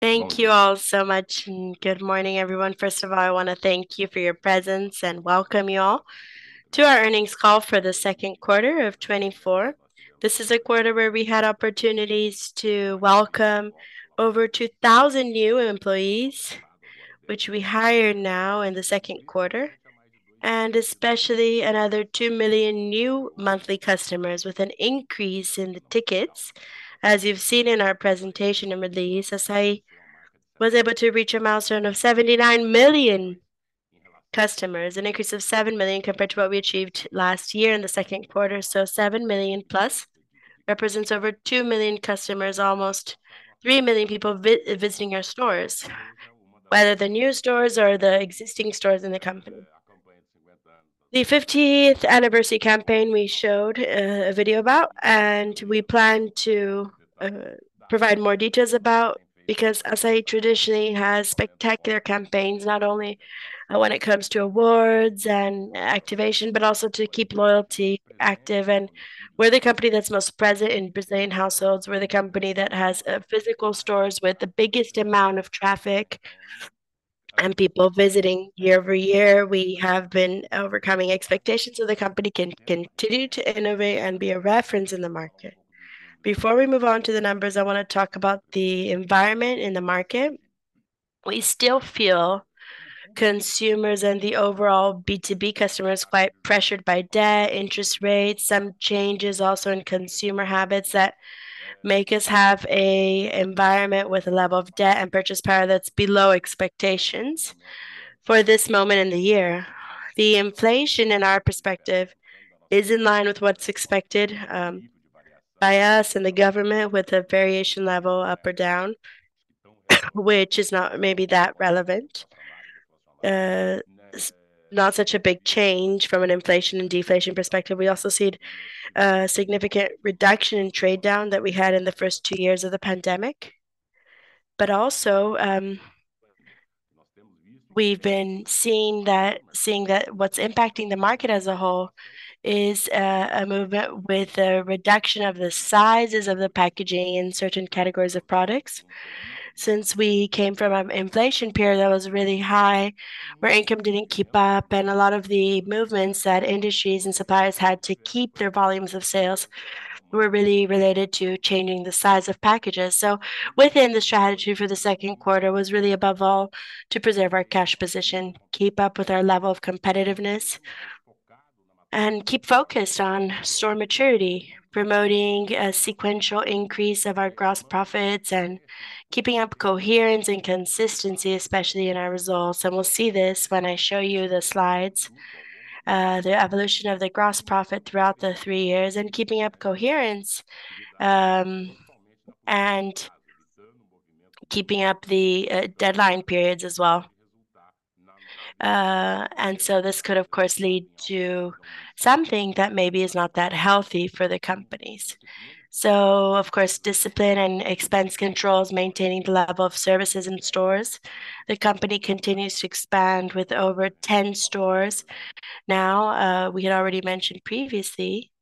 Thank you all so much, and good morning, everyone. First of all, I want to thank you for your presence and welcome you all to our earnings call for the second quarter of 2024. This is a quarter where we had opportunities to welcome over 2,000 new employees, which we hired now in the second quarter, and especially another 2 million new monthly customers with an increase in the tickets. As you've seen in our presentation and release, Assaí was able to reach a milestone of 79 million customers, an increase of 7 million compared to what we achieved last year in the second quarter. So seven million plus represents over 2 million customers, almost 3 million people visiting our stores, whether the new stores or the existing stores in the company. The fiftieth anniversary campaign, we showed, a video about, and we plan to, provide more details about, because Assaí traditionally has spectacular campaigns, not only, when it comes to awards and activation, but also to keep loyalty active. And we're the company that's most present in Brazilian households. We're the company that has, physical stores with the biggest amount of traffic and people visiting year-over-year. We have been overcoming expectations, so the company can continue to innovate and be a reference in the market. Before we move on to the numbers, I want to talk about the environment in the market. We still feel consumers and the overall B2B customer is quite pressured by debt, interest rates, some changes also in consumer habits that make us have an environment with a level of debt and purchase power that's below expectations for this moment in the year. The inflation, in our perspective, is in line with what's expected, by us and the government, with a variation level up or down, which is not maybe that relevant. It's not such a big change from an inflation and deflation perspective. We also see a significant reduction in trade down that we had in the first two years of the pandemic. But also, we've been seeing that what's impacting the market as a whole is, a movement with a reduction of the sizes of the packaging in certain categories of products. Since we came from an inflation period that was really high, where income didn't keep up, and a lot of the movements that industries and suppliers had to keep their volumes of sales were really related to changing the size of packages. So within the strategy for the second quarter was really, above all, to preserve our cash position, keep up with our level of competitiveness, and keep focused on store maturity, promoting a sequential increase of our gross profits and keeping up coherence and consistency, especially in our results. We'll see this when I show you the slides, the evolution of the gross profit throughout the three years and keeping up coherence, and keeping up the deadline periods as well. And so this could, of course, lead to something that maybe is not that healthy for the companies. So of course, discipline and expense controls, maintaining the level of services in stores. The company continues to expand with over 10 stores. Now, we had already mentioned previously...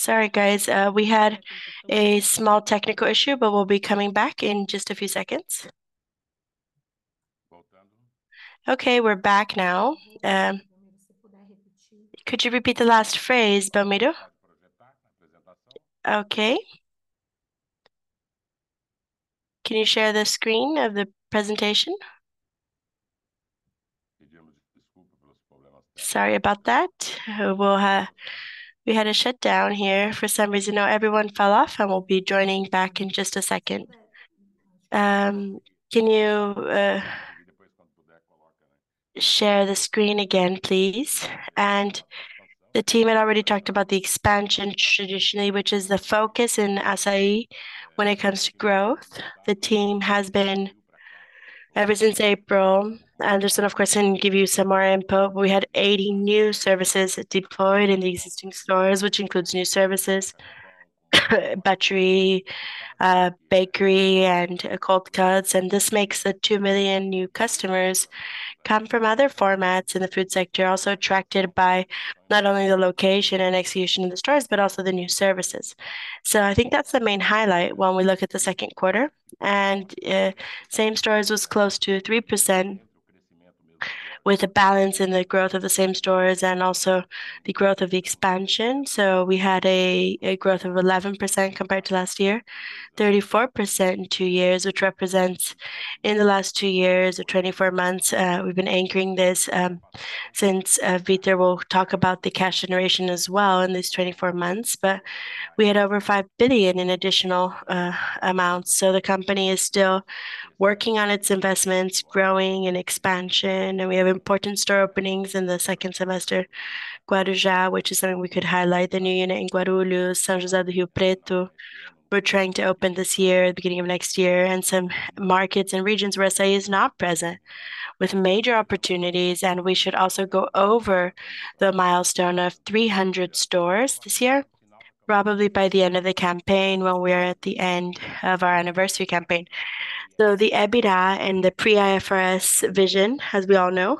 Sorry, guys, we had a small technical issue, but we'll be coming back in just a few seconds. Okay, we're back now. Could you repeat the last phrase, Belmiro? Okay. Can you share the screen of the presentation? Sorry about that. We'll... We had a shutdown here for some reason. Now, everyone fell off, and we'll be joining back in just a second. Can you share the screen again, please? And the team had already talked about the expansion traditionally, which is the focus in Assaí when it comes to growth. The team has been, ever since April, Anderson, of course, can give you some more input. We had 80 new services deployed in the existing stores, which includes new services, butchery, bakery, and cold cuts. And this makes the 2 million new customers come from other formats in the food sector, also attracted by not only the location and execution of the stores, but also the new services. So I think that's the main highlight when we look at the second quarter. And, same stores was close to 3%, with a balance in the growth of the same stores and also the growth of the expansion. So we had a growth of 11% compared to last year, 34% in two years, which represents in the last two years or 24 months. We've been anchoring this, since Vitor will talk about the cash generation as well in these 24 months, but we had over 5 billion in additional amounts. So the company is still working on its investments, growing in expansion, and we have important store openings in the second semester. Guarujá, which is something we could highlight, the new unit in Guarulhos, São José do Rio Preto. We're trying to open this year, beginning of next year, in some markets and regions where Assaí is not present, with major opportunities, and we should also go over the milestone of 300 stores this year. Probably by the end of the campaign, well, we're at the end of our anniversary campaign. The EBITDA and the pre-IFRS version, as we all know,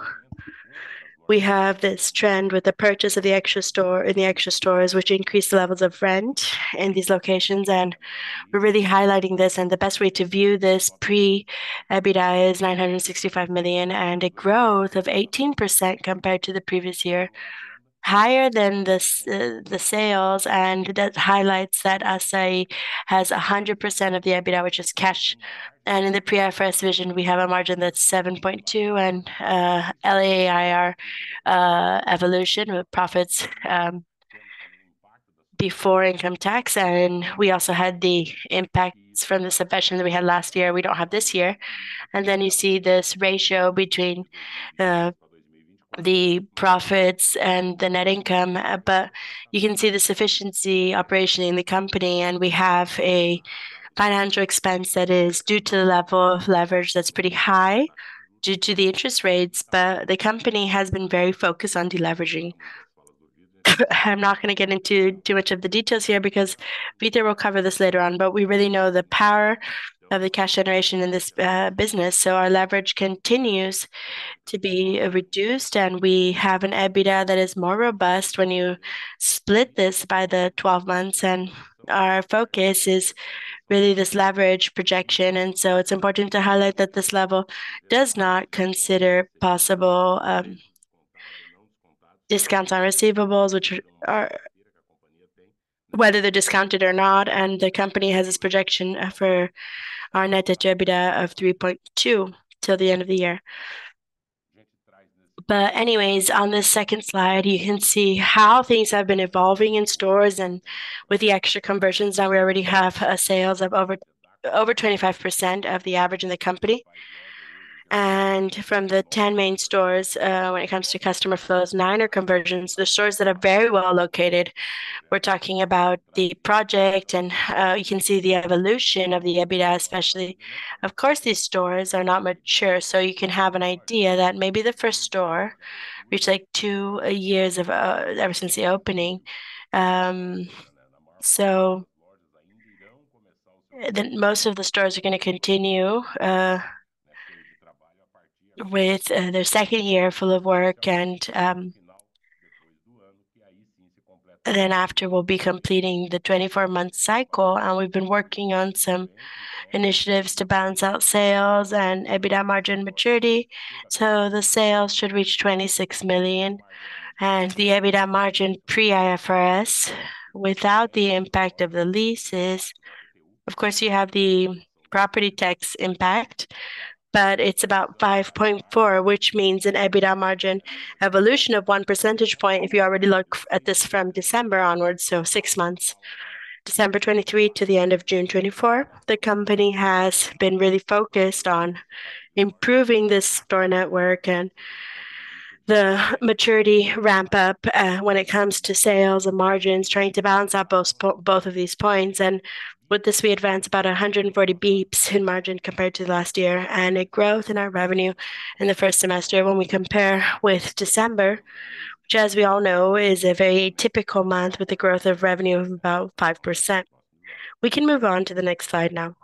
we have this trend with the purchase of the Extra store in the Extra stores, which increased the levels of rent in these locations, and we're really highlighting this, and the best way to view this pre-IFRS EBITDA is 965 million, and a growth of 18% compared to the previous year, higher than the sales, and that highlights that Assaí has 100% of the EBITDA, which is cash. In the pre-IFRS version, we have a margin that's 7.2%, and LAIR evolution with profits before income tax, and we also had the impacts from the subvention that we had last year, we don't have this year. Then you see this ratio between the profits and the net income, but you can see the efficient operation in the company, and we have a financial expense that is due to the level of leverage that's pretty high due to the interest rates, but the company has been very focused on deleveraging. I'm not gonna get into too much of the details here because Vitor will cover this later on, but we really know the power of the cash generation in this business. So our leverage continues to be reduced, and we have an EBITDA that is more robust when you split this by the 12 months. Our focus is really this leverage projection, and so it's important to highlight that this level does not consider possible discounts on receivables, which are whether they're discounted or not, and the company has this projection for our net debt to EBITDA of 3.2 till the end of the year. But anyways, on this second slide, you can see how things have been evolving in stores, and with the Extra conversions, now we already have sales of over 25% of the average in the company. And from the 10 main stores, when it comes to customer flows, nine are conversions. The stores that are very well located, we're talking about the project, and you can see the evolution of the EBITDA, especially. Of course, these stores are not mature, so you can have an idea that maybe the first store, which like two years of ever since the opening, so the most of the stores are gonna continue with their second year full of work and, then after, we'll be completing the 24-month cycle, and we've been working on some initiatives to balance out sales and EBITDA margin maturity. So the sales should reach 26 million, and the EBITDA margin pre-IFRS, without the impact of the leases. Of course, you have the property tax impact, but it's about 5.4%, which means an EBITDA margin evolution of 1 percentage point if you already look at this from December onwards, so 6 months. December 2023 to the end of June 2024, the company has been really focused on improving this store network and the maturity ramp-up, when it comes to sales and margins, trying to balance out both of these points. And with this, we advanced about 140 basis points in margin compared to last year, and a growth in our revenue in the first semester when we compare with December, which, as we all know, is a very typical month with the growth of revenue of about 5%. We can move on to the next slide now.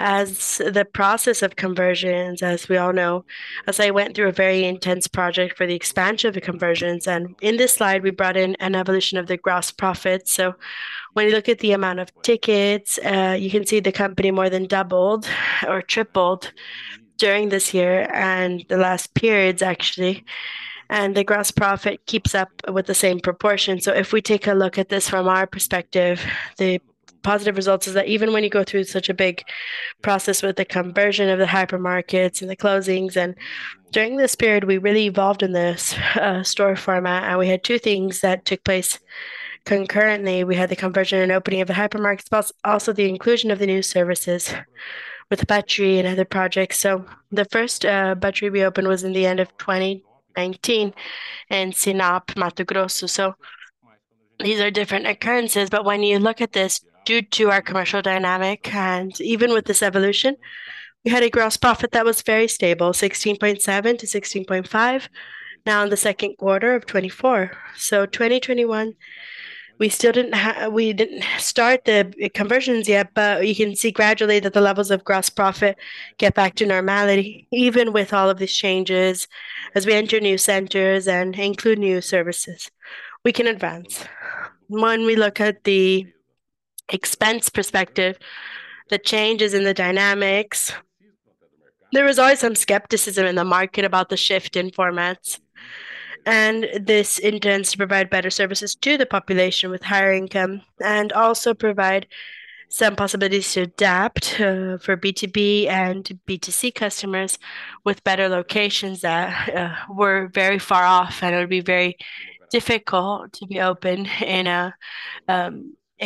As the process of conversions, as we all know, Assai went through a very intense project for the expansion of the conversions, and in this slide, we brought in an evolution of the gross profit. So when you look at the amount of tickets, you can see the company more than doubled or tripled during this year and the last periods, actually, and the gross profit keeps up with the same proportion. So if we take a look at this from our perspective, the positive results is that even when you go through such a big process with the conversion of the hypermarkets and the closings, and during this period, we really evolved in this store format, and we had two things that took place concurrently. We had the conversion and opening of the hypermarkets, plus also the inclusion of the new services with battery and other projects. So the first battery we opened was in the end of 2019 in Sinop, Mato Grosso. So these are different occurrences, but when you look at this, due to our commercial dynamic, and even with this evolution, we had a gross profit that was very stable, 16.7 to 16.5, now in the second quarter of 2024. 2021, we still didn't start the conversions yet, but you can see gradually that the levels of gross profit get back to normality, even with all of these changes as we enter new centers and include new services. We can advance. When we look at the expense perspective, the changes in the dynamics, there was always some skepticism in the market about the shift in formats, and this intends to provide better services to the population with higher income, and also provide some possibilities to adapt for B2B and B2C customers with better locations that were very far off, and it would be very difficult to be open in a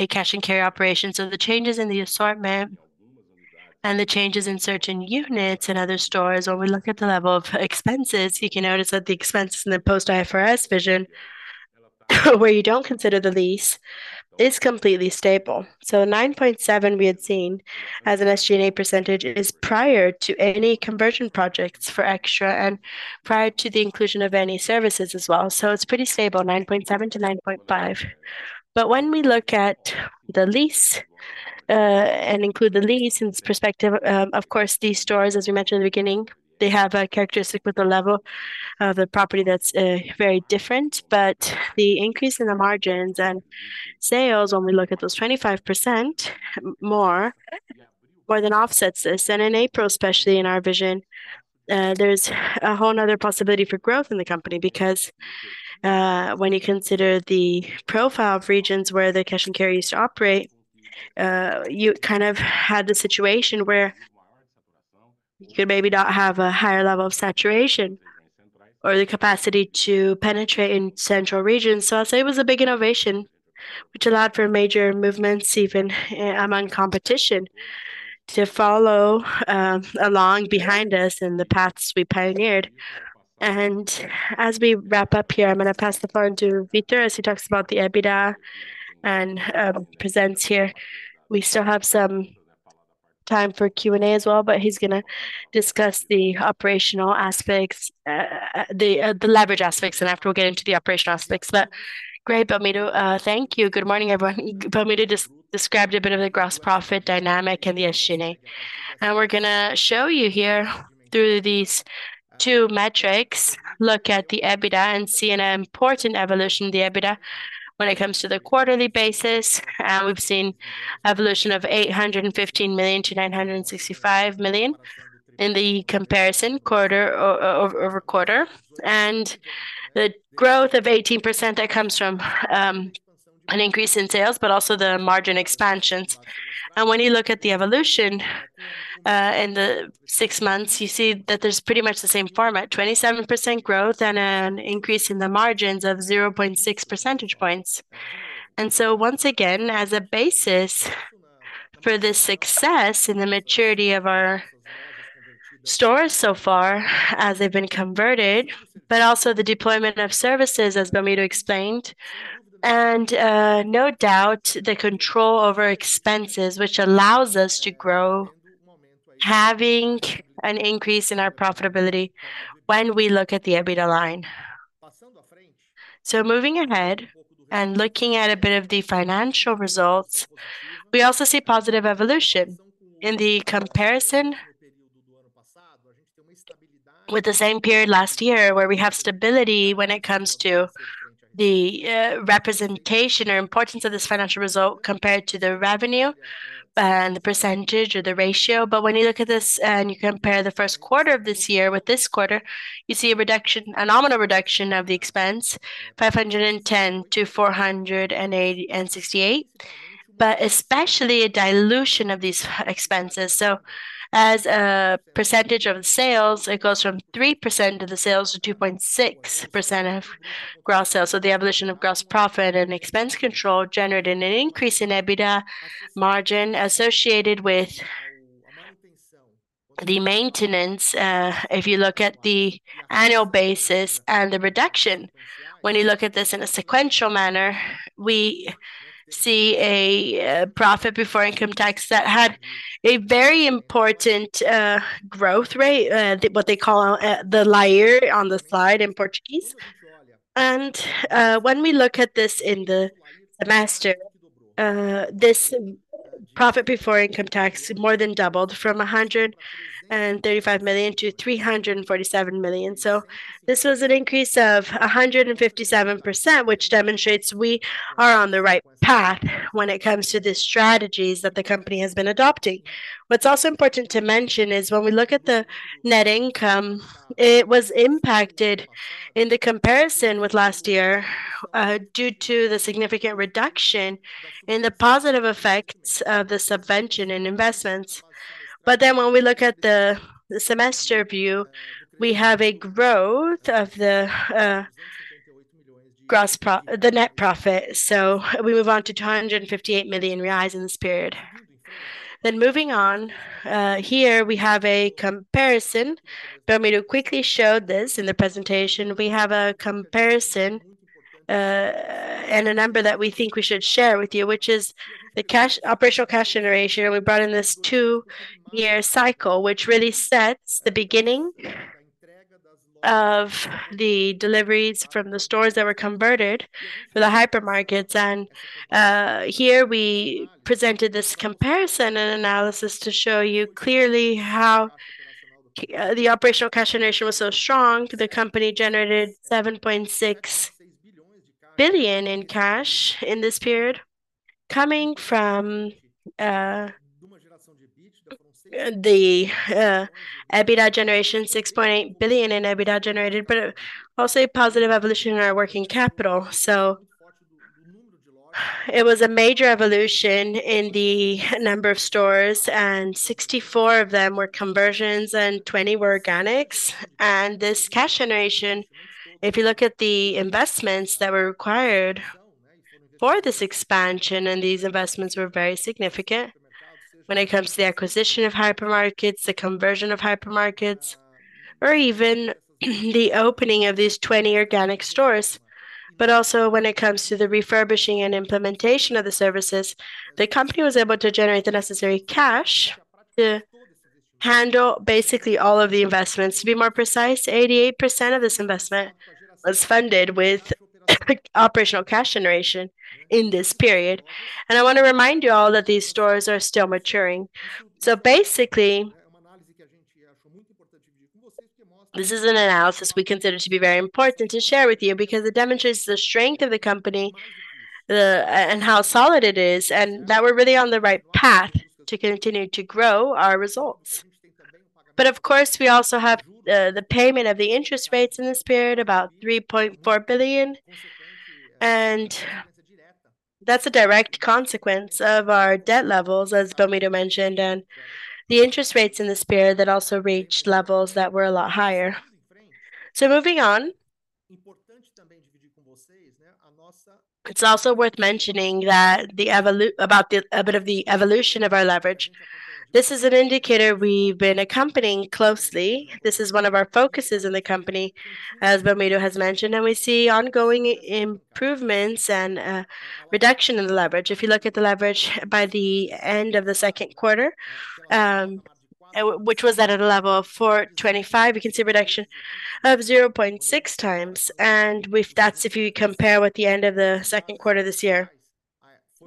cash-and-carry operation. So the changes in the assortment and the changes in certain units and other stores, when we look at the level of expenses, you can notice that the expenses in the post-IFRS vision, where you don't consider the lease-... is completely stable. So 9.7% we had seen as an SG&A percentage is prior to any conversion projects for extra and prior to the inclusion of any services as well. So it's pretty stable, 9.7-9.5. But when we look at the lease, and include the lease in this perspective, of course, these stores, as we mentioned in the beginning, they have a characteristic with the level of the property that's very different. But the increase in the margins and sales, when we look at those 25% more, more than offsets this. And in April, especially in our vision, there's a whole another possibility for growth in the company, because, when you consider the profile of regions where the cash and carry used to operate, you kind of had a situation where you could maybe not have a higher level of saturation or the capacity to penetrate in central regions. So I'll say it was a big innovation, which allowed for major movements, even among competition, to follow along behind us in the paths we pioneered. And as we wrap up here, I'm going to pass the floor on to Vitor, as he talks about the EBITDA and presents here. We still have some time for Q&A as well, but he's going to discuss the operational aspects, the leverage aspects, and after we'll get into the operational aspects. But great, Belmiro, thank you. Good morning, everyone. Belmiro just described a bit of the gross profit dynamic and the SG&A. And we're going to show you here through these two metrics, look at the EBITDA and see an important evolution of the EBITDA when it comes to the quarterly basis. We've seen evolution of 815 million to 965 million in the comparison quarter-over-quarter. The growth of 18% that comes from an increase in sales, but also the margin expansions. When you look at the evolution in the six months, you see that there's pretty much the same format, 27% growth and an increase in the margins of 0.6 percentage points. So once again, as a basis for this success in the maturity of our stores so far as they've been converted, but also the deployment of services, as Belmiro explained, and no doubt, the control over expenses, which allows us to grow, having an increase in our profitability when we look at the EBITDA line. So moving ahead and looking at a bit of the financial results, we also see positive evolution in the comparison with the same period last year, where we have stability when it comes to the representation or importance of this financial result compared to the revenue and the percentage or the ratio. But when you look at this and you compare the first quarter of this year with this quarter, you see a reduction, a nominal reduction of the expense, 510 to 468, but especially a dilution of these expenses. So as a percentage of the sales, it goes from 3% of the sales to 2.6% of gross sales. So the evolution of gross profit and expense control generated an increase in EBITDA margin associated with the maintenance, if you look at the annual basis and the reduction. When you look at this in a sequential manner, we see a profit before income tax that had a very important growth rate, what they call the LAIR on the slide in Portuguese. And when we look at this in the semester, this profit before income tax more than doubled from 135 million to 347 million. So this was an increase of 157%, which demonstrates we are on the right path when it comes to the strategies that the company has been adopting. What's also important to mention is when we look at the net income, it was impacted in the comparison with last year due to the significant reduction in the positive effects of the subvention and investments. But then when we look at the semester view, we have a growth of the net profit. So we move on to 258 million reais in this period. Then moving on, here we have a comparison. Belmiro quickly showed this in the presentation. We have a comparison and a number that we think we should share with you, which is the cash operational cash generation. We brought in this two-year cycle, which really sets the beginning of the deliveries from the stores that were converted for the hypermarkets. Here we presented this comparison and analysis to show you clearly how the operational cash generation was so strong. The company generated 7.6 billion in cash in this period, coming from the EBITDA generation, 6.8 billion in EBITDA generated, but also a positive evolution in our working capital. So it was a major evolution in the number of stores, and 64 of them were conversions and 20 were organics. This cash generation, if you look at the investments that were required for this expansion, and these investments were very significant when it comes to the acquisition of hypermarkets, the conversion of hypermarkets, or even the opening of these 20 organic stores, but also when it comes to the refurbishing and implementation of the services, the company was able to generate the necessary cash to handle basically all of the investments. To be more precise, 88% of this investment was funded with operational cash generation in this period. I want to remind you all that these stores are still maturing. Basically, this is an analysis we consider to be very important to share with you, because it demonstrates the strength of the company, the, and how solid it is, and that we're really on the right path to continue to grow our results. But of course, we also have the payment of the interest rates in this period, about 3.4 billion, and that's a direct consequence of our debt levels, as Belmiro mentioned, and the interest rates in this period that also reached levels that were a lot higher. So moving on, it's also worth mentioning about the, a bit of the evolution of our leverage. This is an indicator we've been accompanying closely. This is one of our focuses in the company, as Belmiro has mentioned, and we see ongoing improvements and, reduction in the leverage. If you look at the leverage by the end of the second quarter, which was at a level of 4.25, we can see a reduction of 0.6 times, and we've – that's if you compare with the end of the second quarter this year.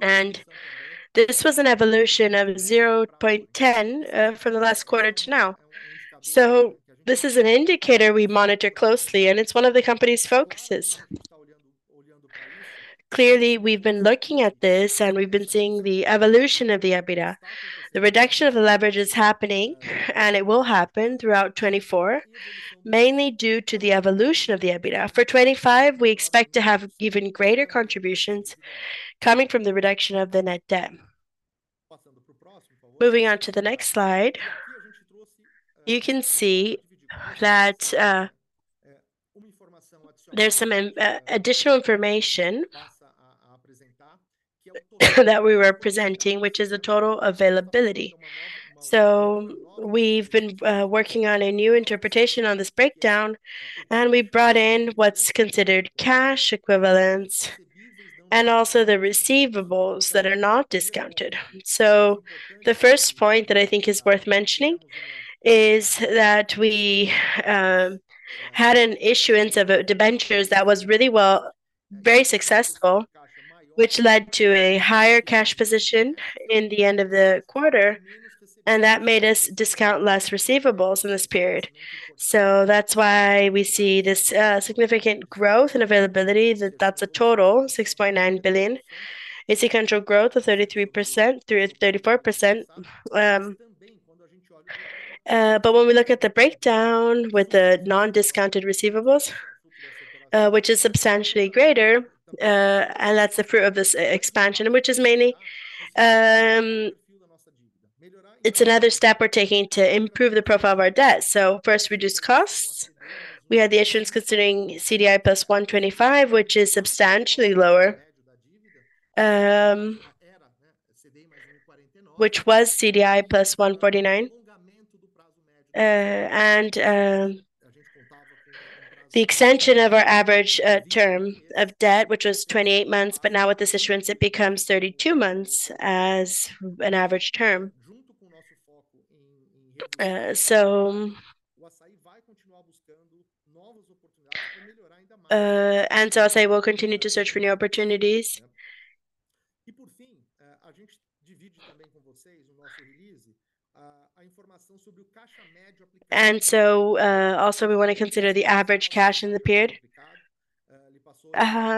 And this was an evolution of 0.10, from the last quarter to now. So this is an indicator we monitor closely, and it's one of the company's focuses. Clearly, we've been looking at this, and we've been seeing the evolution of the EBITDA. The reduction of the leverage is happening, and it will happen throughout 2024, mainly due to the evolution of the EBITDA. For 2025, we expect to have even greater contributions coming from the reduction of the net debt. Moving on to the next slide, you can see that, there's some additional information, that we were presenting, which is the total availability. So we've been working on a new interpretation on this breakdown, and we brought in what's considered cash equivalents and also the receivables that are not discounted. So the first point that I think is worth mentioning is that we had an issuance of debentures that was really well very successful, which led to a higher cash position in the end of the quarter, and that made us discount less receivables in this period. So that's why we see this significant growth in availability, that's a total 6.9 billion. You see total growth of 33%-34%. But when we look at the breakdown with the non-discounted receivables, which is substantially greater, and that's the fruit of this expansion, which is mainly, it's another step we're taking to improve the profile of our debt. So first, reduce costs. We had the issuance considering CDI plus 125, which is substantially lower, which was CDI plus 149. And the extension of our average term of debt, which was 28 months, but now with this issuance, it becomes 32 months as an average term. So, and so I say we'll continue to search for new opportunities. And so, also, we want to consider the average cash in the period.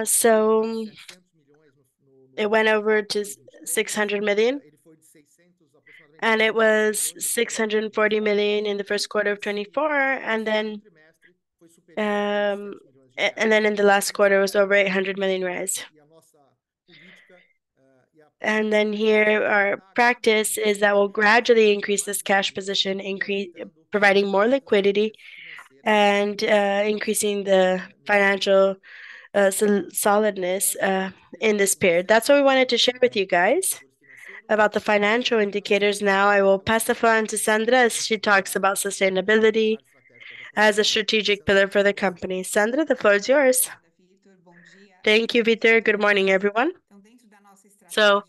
So it went over to 600 million, and it was 640 million in the first quarter of 2024, and then, and then in the last quarter, it was over 800 million reais. And then here, our practice is that we'll gradually increase this cash position, increase providing more liquidity and, increasing the financial, solidness, in this period. That's what we wanted to share with you guys about the financial indicators. Now, I will pass the floor on to Sandra, as she talks about sustainability as a strategic pillar for the company. Sandra, the floor is yours. Thank you, Vitor. Good morning, everyone. So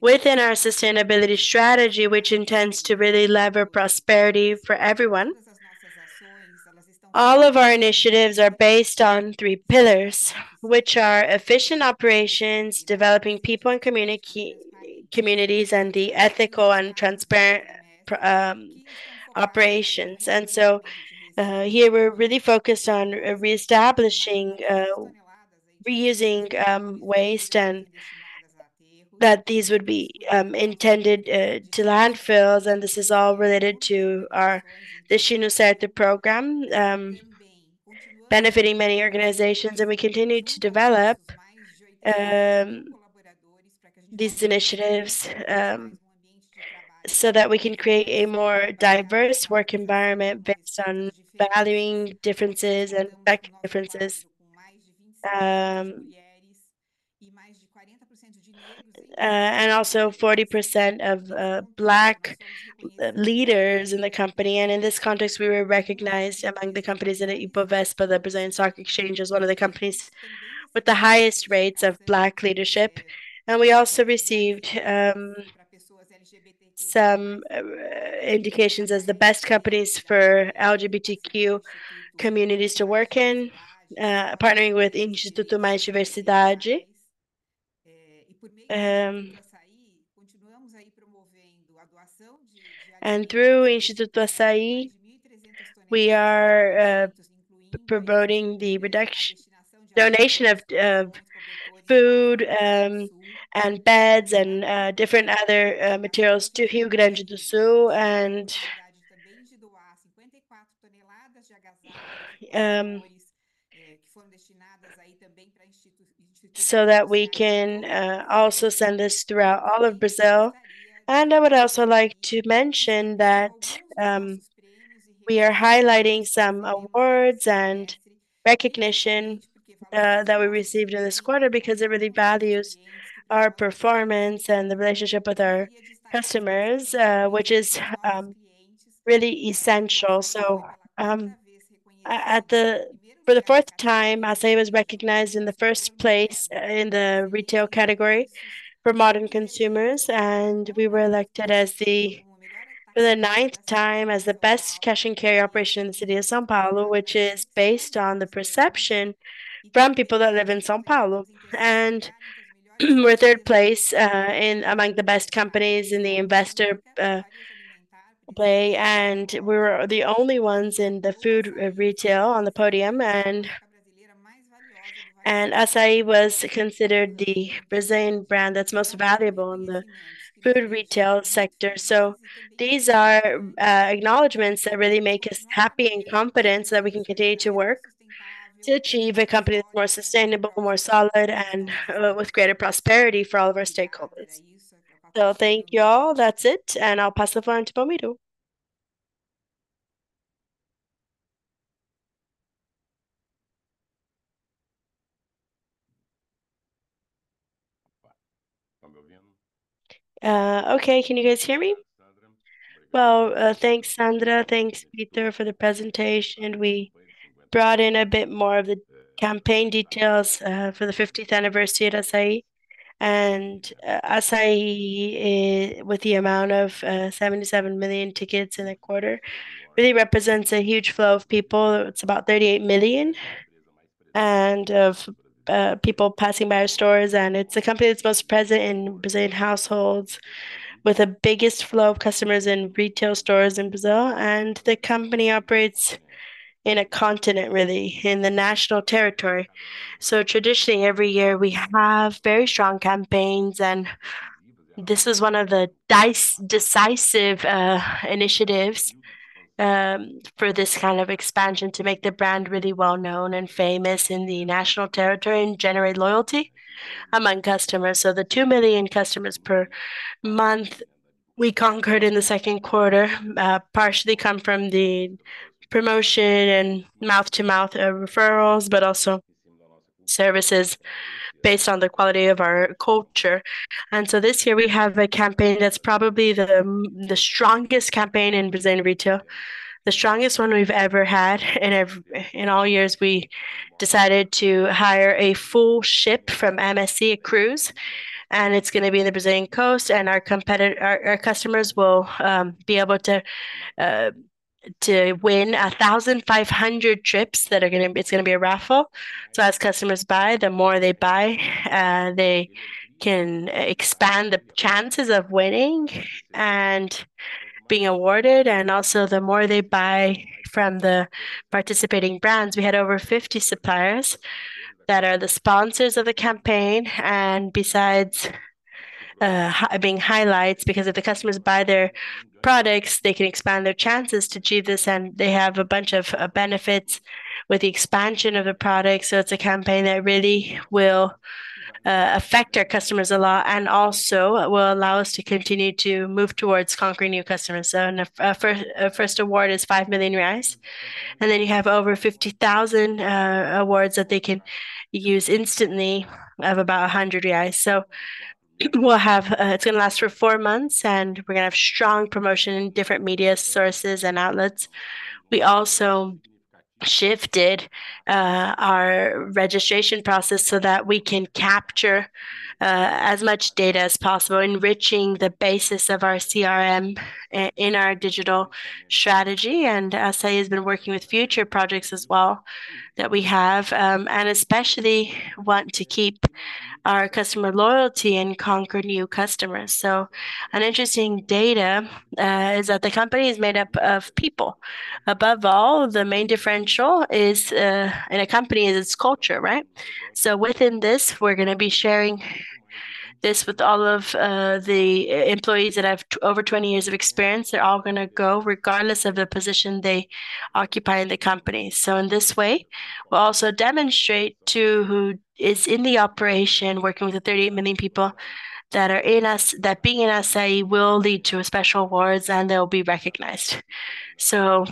within our sustainability strategy, which intends to really leverage prosperity for everyone, all of our initiatives are based on three pillars, which are efficient operations, developing people and communities, and the ethical and transparent operations. And so, here we're really focused on reestablishing, reusing waste and that these would be intended to landfills, and this is all related to our, the Destino Certo program, benefiting many organizations. And we continue to develop these initiatives so that we can create a more diverse work environment based on valuing differences and back differences. And also 40% of Black leaders in the company. And in this context, we were recognized among the companies in the B3, the Brazilian Stock Exchange, as one of the companies with the highest rates of Black leadership, and we also received some indications as the best companies for LGBTQ communities to work in, partnering with Instituto Mais Diversidade. And through Instituto Assaí, we are promoting the donation of food, and beds and different other materials to Rio Grande do Sul, so that we can also send this throughout all of Brazil. I would also like to mention that we are highlighting some awards and recognition that we received in this quarter, because it really values our performance and the relationship with our customers, which is really essential. For the fourth time, Assaí was recognized in the first place in the retail category for Modern Consumer, and we were elected as the, for the ninth time, as the best cash-and-carry operation in the city of São Paulo, which is based on the perception from people that live in São Paulo. We're third place in among the best companies in the Institutional Investor and we were the only ones in the food retail on the podium. Assaí was considered the Brazilian brand that's most valuable in the food retail sector. So these are acknowledgments that really make us happy and confident so that we can continue to work to achieve a company that's more sustainable, more solid, and with greater prosperity for all of our stakeholders. So thank you, all. That's it, and I'll pass the floor on to Pamido. Okay. Can you guys hear me? Well, thanks, Sandra. Thanks, Vitor, for the presentation. We brought in a bit more of the campaign details for the 50th anniversary at Assaí.Assaí, with the amount of 77 million tickets in a quarter, really represents a huge flow of people. It's about 38 million people passing by our stores, and it's the company that's most present in Brazilian households, with the biggest flow of customers in retail stores in Brazil. The company operates in a continent, really, in the national territory. Traditionally, every year, we have very strong campaigns, and this is one of the decisive initiatives for this kind of expansion to make the brand really well-known and famous in the national territory and generate loyalty among customers. The 2 million customers per month we conquered in the second quarter partially come from the promotion and word-of-mouth referrals, but also services based on the quality of our culture. This year we have a campaign that's probably the strongest campaign in Brazilian retail, the strongest one we've ever had in all years. We decided to hire a full ship from MSC Cruises, and it's gonna be in the Brazilian coast, and our customers will be able to to win 1,500 trips that are gonna... It's gonna be a raffle. So as customers buy, the more they buy, they can expand the chances of winning and being awarded, and also the more they buy from the participating brands. We had over 50 suppliers that are the sponsors of the campaign, and besides, being highlights, because if the customers buy their products, they can expand their chances to achieve this, and they have a bunch of benefits with the expansion of the product. So it's a campaign that really will affect our customers a lot and also will allow us to continue to move towards conquering new customers. So a first award is 5 million reais, and then you have over 50,000 awards that they can use instantly, of about 100 reais. So we'll have. It's gonna last for four months, and we're gonna have strong promotion in different media sources and outlets. We also shifted our registration process so that we can capture as much data as possible, enriching the basis of our CRM in our digital strategy. And Assaí has been working with future projects as well that we have, and especially want to keep our customer loyalty and conquer new customers. So an interesting data is that the company is made up of people. Above all, the main differential is in a company is its culture, right? So within this, we're gonna be sharing this with all of the employees that have over 20 years of experience. They're all gonna go, regardless of the position they occupy in the company. So in this way, we'll also demonstrate to who is in the operation, working with the 38 million people that are in us that being in Assaí will lead to special awards, and they'll be recognized. So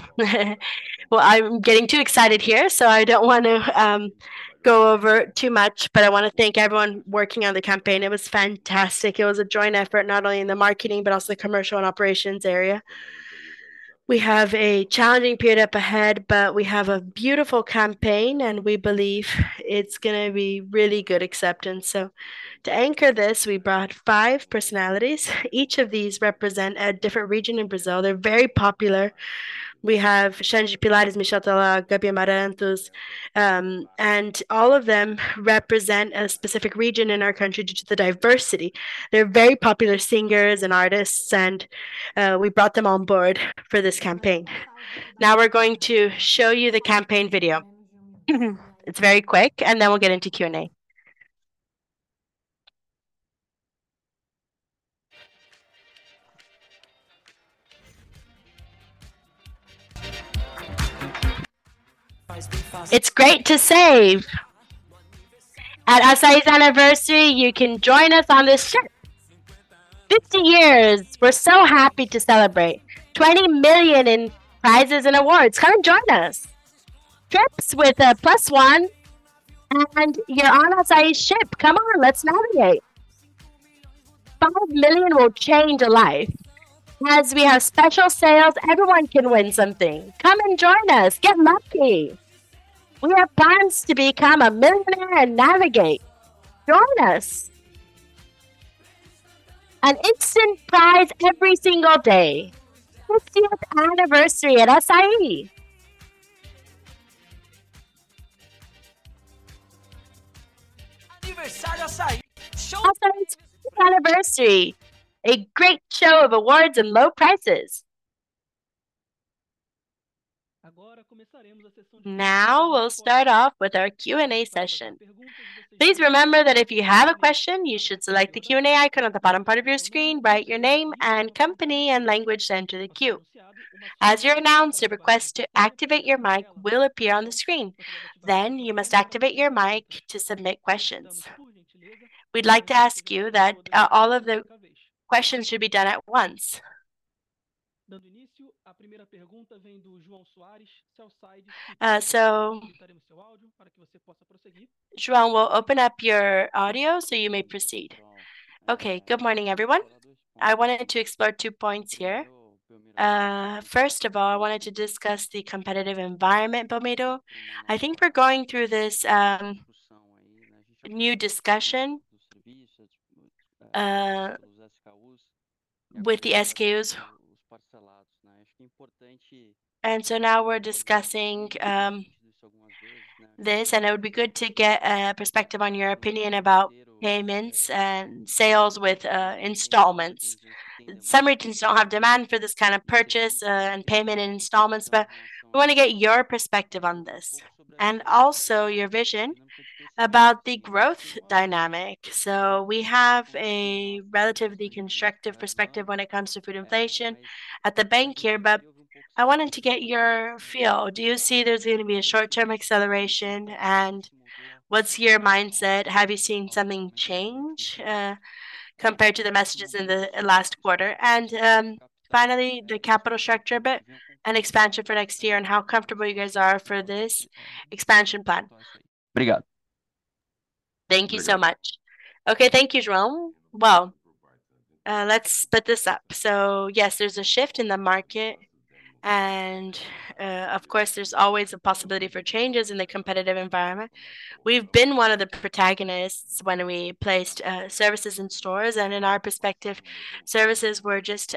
well, I'm getting too excited here, so I don't want to go over too much, but I want to thank everyone working on the campaign. It was fantastic. It was a joint effort, not only in the marketing, but also the commercial and operations area. We have a challenging period up ahead, but we have a beautiful campaign, and we believe it's going to be really good acceptance. So to anchor this, we brought 5 personalities. Each of these represent a different region in Brazil. They're very popular. We have Xande de Pilares, Michel Teló, Gabi Amarantos, and all of them represent a specific region in our country due to the diversity. They're very popular singers and artists, and we brought them on board for this campaign. Now, we're going to show you the campaign video. It's very quick, and then we'll get into Q&A. It's great to save! At Assaí's anniversary, you can join us on this ship. 50 years, we're so happy to celebrate. 20 million in prizes and awards. Come and join us. Trips with a plus one, and you're on Assaí ship. Come on, let's navigate. 5 million will change a life. As we have special sales, everyone can win something. Come and join us. Get lucky. We have plans to become a millionaire and navigate. Join us. An instant prize every single day. Fiftieth anniversary at Assaí. Assaí's fiftieth anniversary, a great show of awards and low prices! Now, we'll start off with our Q&A session. Please remember that if you have a question, you should select the Q&A icon at the bottom part of your screen, write your name and company and language, then enter the queue. As you're announced, a request to activate your mic will appear on the screen. Then you must activate your mic to submit questions. We'd like to ask you that, all of the questions should be done at once. João, we'll open up your audio, so you may proceed. Okay. Good morning, everyone. I wanted to explore two points here. First of all, I wanted to discuss the competitive environment, Belmiro. I think we're going through this new discussion with the SKUs. And so now we're discussing this, and it would be good to get a perspective on your opinion about payments and sales with installments. Some regions don't have demand for this kind of purchase and payment in installments, but we want to get your perspective on this, and also your vision about the growth dynamic. So we have a relatively constructive perspective when it comes to food inflation at the bank here, but I wanted to get your feel. Do you see there's going to be a short-term acceleration, and what's your mindset? Have you seen something change compared to the messages in the last quarter? Finally, the capital structure bit and expansion for next year, and how comfortable you guys are for this expansion plan? Thank you. Thank you so much. Okay, thank you, João. Well, let's split this up. So yes, there's a shift in the market, and, of course, there's always a possibility for changes in the competitive environment. We've been one of the protagonists when we placed services in stores, and in our perspective, services were just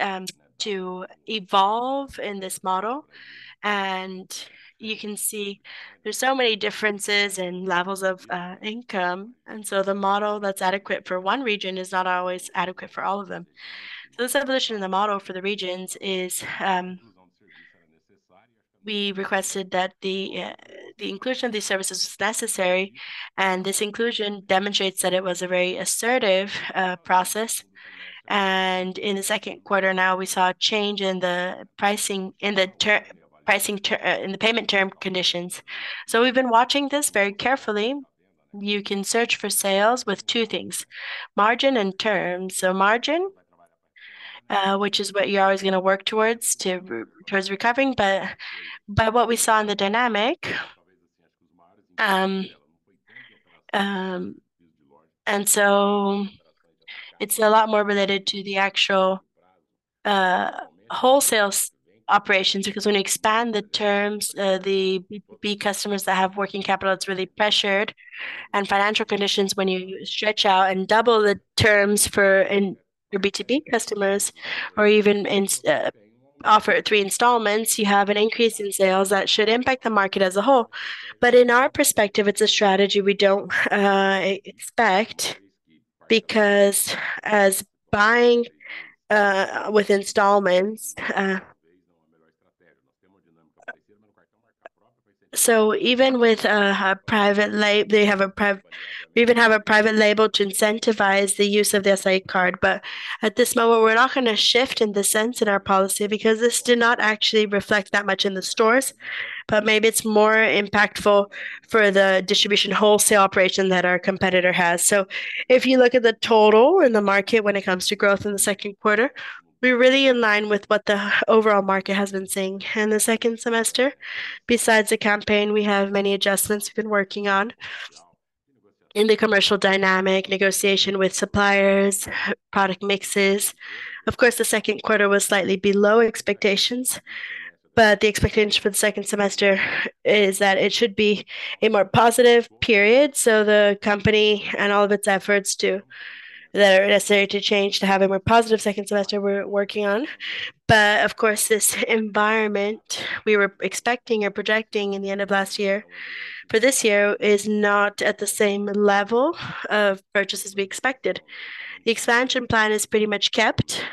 to evolve in this model. And you can see there's so many differences in levels of income, and so the model that's adequate for one region is not always adequate for all of them. So this evolution in the model for the regions is, we requested that the, the inclusion of these services was necessary, and this inclusion demonstrates that it was a very assertive, process. And in the second quarter now, we saw a change in the pricing, in the payment term conditions. So we've been watching this very carefully. You can search for sales with two things, margin and terms. So margin, which is what you're always going to work towards to, towards recovering, but by what we saw in the dynamic. And so it's a lot more related to the actual, wholesale operations, because when you expand the terms, the B customers that have working capital, it's really pressured. And financial conditions, when you stretch out and double the terms for in your B2B customers, or even in, offer three installments, you have an increase in sales that should impact the market as a whole. But in our perspective, it's a strategy we don't expect, because as buying with installments... So even with a private label, they have a priv—we even have a private label to incentivize the use of the Assaí card. But at this moment, we're not going to shift in the sense in our policy, because this did not actually reflect that much in the stores. But maybe it's more impactful for the distribution wholesale operation that our competitor has. So if you look at the total in the market when it comes to growth in the second quarter, we're really in line with what the overall market has been seeing in the second semester. Besides the campaign, we have many adjustments we've been working on in the commercial dynamic, negotiation with suppliers, product mixes. Of course, the second quarter was slightly below expectations, but the expectations for the second semester is that it should be a more positive period. So the company and all of its efforts to, that are necessary to change, to have a more positive second semester we're working on. But of course, this environment we were expecting or projecting in the end of last year for this year, is not at the same level of purchases we expected. The expansion plan is pretty much kept.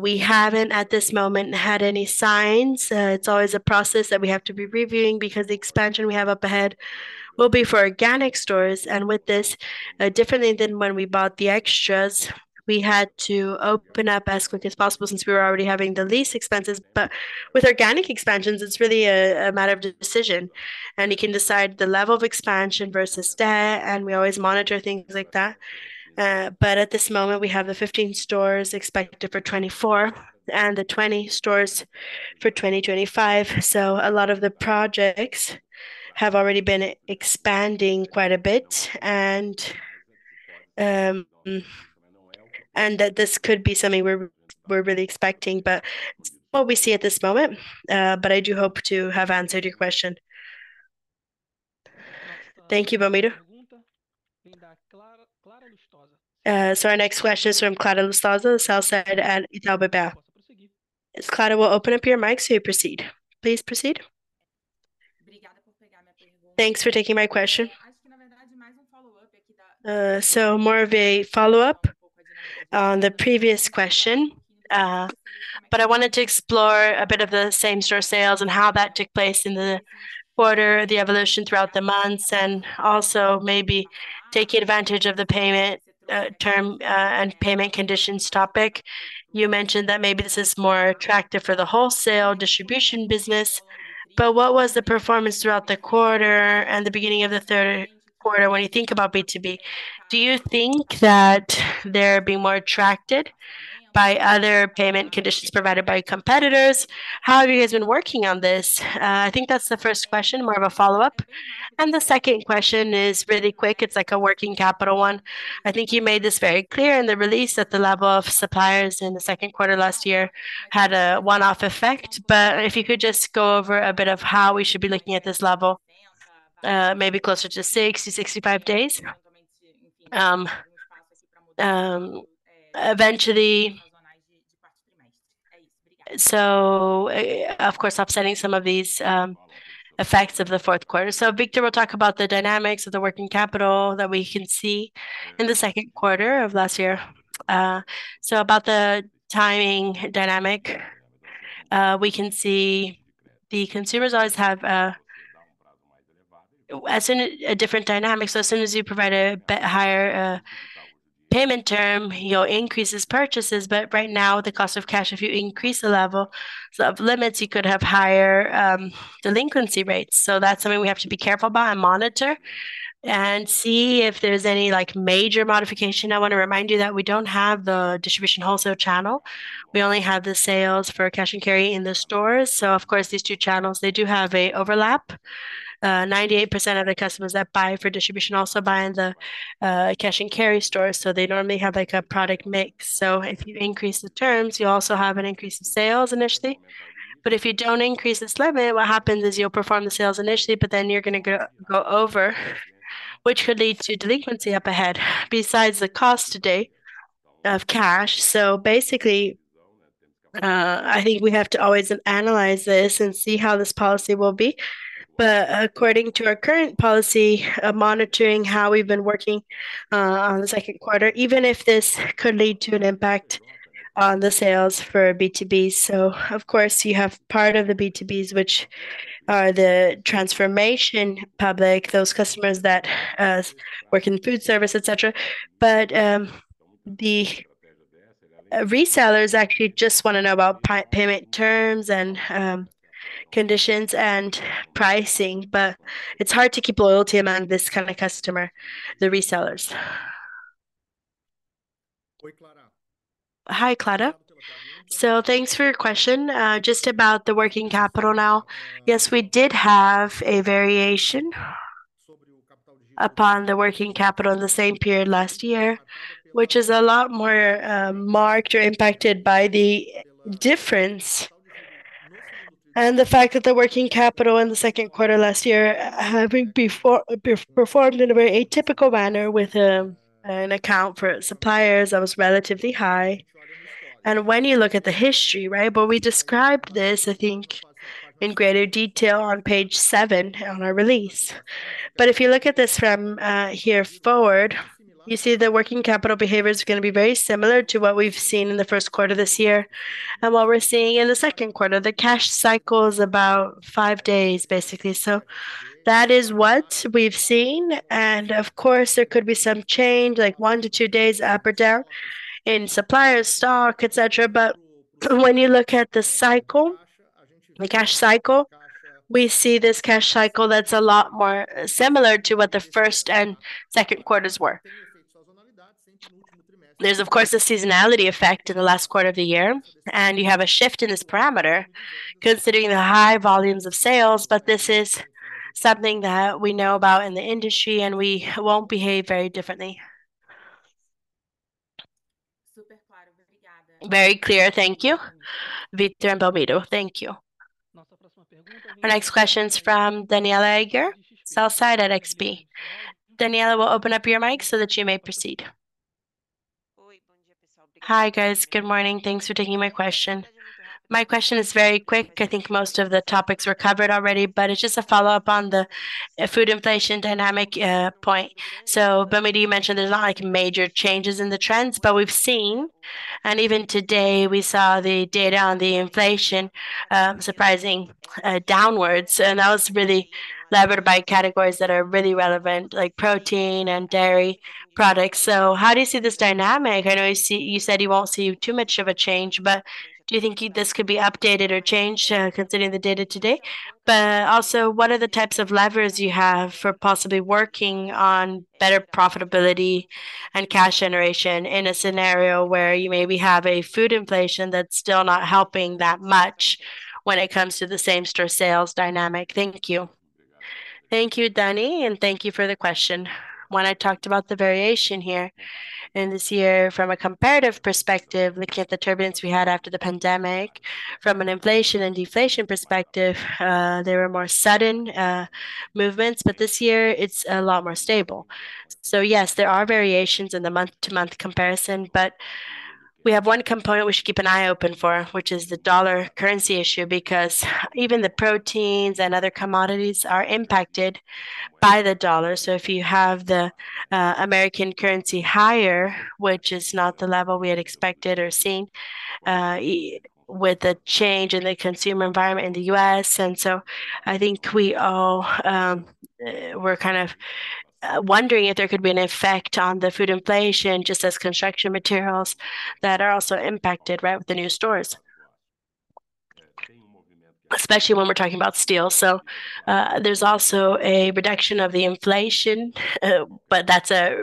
We haven't, at this moment, had any signs. It's always a process that we have to be reviewing, because the expansion we have up ahead will be for organic stores. And with this, differently than when we bought the acquisitions, we had to open up as quick as possible since we were already having the lease expenses. But with organic expansions, it's really a matter of decision, and you can decide the level of expansion versus debt, and we always monitor things like that. But at this moment, we have the 15 stores expected for 2024 and the 20 stores for 2025. So a lot of the projects have already been expanding quite a bit, and that this could be something we're really expecting, but what we see at this moment, but I do hope to have answered your question. Thank you, Pamira. So our next question is from Clara Lustosa, the sell-side at Itaú BBA. Clara, we'll open up your mic, so you proceed. Please proceed. Thanks for taking my question. So more of a follow-up on the previous question, but I wanted to explore a bit of the same store sales and how that took place in the quarter, the evolution throughout the months, and also maybe taking advantage of the payment term and payment conditions topic. You mentioned that maybe this is more attractive for the wholesale distribution business, but what was the performance throughout the quarter and the beginning of the third quarter when you think about B2B? Do you think that they're being more attracted by other payment conditions provided by competitors? How have you guys been working on this? I think that's the first question, more of a follow-up. The second question is really quick. It's like a working capital one. I think you made this very clear in the release that the level of suppliers in the second quarter last year had a one-off effect. But if you could just go over a bit of how we should be looking at this level, maybe closer to 60-65 days. Eventually... Of course, offsetting some of these effects of the fourth quarter. Vitor will talk about the dynamics of the working capital that we can see in the second quarter of last year. About the timing dynamic, we can see the consumers always have, as in a different dynamic. As soon as you provide a bit higher payment term, you'll increases purchases. But right now, the cost of cash, if you increase the level of limits, you could have higher, delinquency rates. So that's something we have to be careful about and monitor and see if there's any, like, major modification. I want to remind you that we don't have the distribution wholesale channel. We only have the sales for cash-and-carry in the stores. So of course, these two channels, they do have an overlap. 98% of the customers that buy for distribution also buy in the, cash-and-carry stores, so they normally have, like, a product mix. So if you increase the terms, you also have an increase in sales initially. But if you don't increase this limit, what happens is you'll perform the sales initially, but then you're going to go over, which could lead to delinquency up ahead, besides the cost today of cash. So basically, I think we have to always analyze this and see how this policy will be. But according to our current policy, monitoring how we've been working on the second quarter, even if this could lead to an impact on the sales for B2B. So of course, you have part of the B2Bs, which are the transformation public, those customers that work in food service, et cetera. But the resellers actually just want to know about payment terms and conditions and pricing, but it's hard to keep loyalty among this kind of customer, the resellers. Hi, Clara. Thanks for your question. Just about the working capital now. Yes, we did have a variation upon the working capital in the same period last year, which is a lot more marked or impacted by the difference, and the fact that the working capital in the second quarter last year having beforehand performed in a very atypical manner with an account for suppliers that was relatively high. When you look at the history, right? Well, we described this, I think, in greater detail on page 7 of our release. But if you look at this from here forward, you see the working capital behavior is going to be very similar to what we've seen in the first quarter this year and what we're seeing in the second quarter. The cash cycle is about 5 days, basically. So that is what we've seen, and of course, there could be some change, like 1-2 days up or down in supplier stock, et cetera. But when you look at the cycle, the cash cycle, we see this cash cycle that's a lot more similar to what the first and second quarters were. There's, of course, a seasonality effect in the last quarter of the year, and you have a shift in this parameter considering the high volumes of sales, but this is something that we know about in the industry, and we won't behave very differently. Super clear. Thank you. Very clear. Thank you, Vitor Belmiro. Thank you. Our next question is from Daniella Eiger, sell side at XP. Daniella, we'll open up your mic so that you may proceed. Hi, guys. Good morning. Thanks for taking my question. My question is very quick. I think most of the topics were covered already, but it's just a follow-up on the food inflation dynamic point. So Belmiro, you mentioned there's not, like, major changes in the trends, but we've seen, and even today, we saw the data on the inflation surprising downwards, and that was really led by categories that are really relevant, like protein and dairy products. So how do you see this dynamic? I know you said you won't see too much of a change, but do you think this could be updated or changed considering the data today? But also, what are the types of levers you have for possibly working on better profitability and cash generation in a scenario where you maybe have a food inflation that's still not helping that much when it comes to the same-store sales dynamic? Thank you. Thank you, Dani, and thank you for the question. When I talked about the variation here, and this year, from a comparative perspective, looking at the turbulence we had after the pandemic, from an inflation and deflation perspective, there were more sudden movements, but this year it's a lot more stable. So yes, there are variations in the month-to-month comparison, but we have one component we should keep an eye open for, which is the dollar currency issue, because even the proteins and other commodities are impacted by the dollar. So if you have the American currency higher, which is not the level we had expected or seen, with the change in the consumer environment in the U.S., and so I think we all were kind of wondering if there could be an effect on the food inflation, just as construction materials that are also impacted, right, with the new stores, especially when we're talking about steel. So there's also a reduction of the inflation, but that's a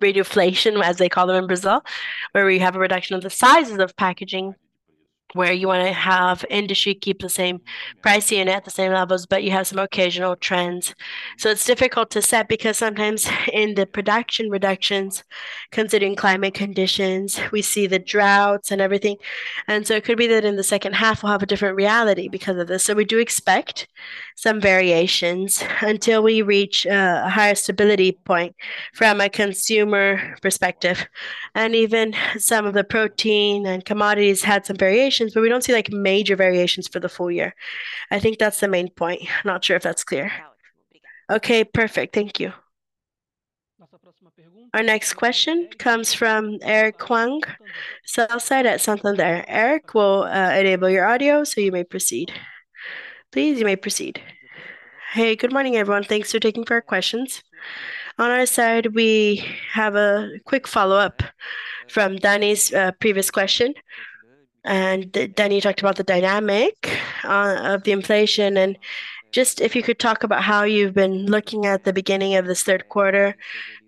reduflation, as they call them in Brazil, where we have a reduction of the sizes of packaging, where you wanna have industry keep the same pricing at the same levels, but you have some occasional trends. So it's difficult to set because sometimes in the production reductions, considering climate conditions, we see the droughts and everything. So it could be that in the second half, we'll have a different reality because of this. We do expect some variations until we reach a higher stability point from a consumer perspective. And even some of the protein and commodities had some variations, but we don't see, like, major variations for the full year. I think that's the main point. Not sure if that's clear. Okay, perfect. Thank you. Our next question comes from Eric Huang, sell-side at Santander. Eric, we'll enable your audio so you may proceed. Please, you may proceed. Hey, good morning, everyone. Thanks for taking our questions. On our side, we have a quick follow-up from Dani's previous question. Dani, you talked about the dynamic of the inflation, and just if you could talk about how you've been looking at the beginning of this third quarter,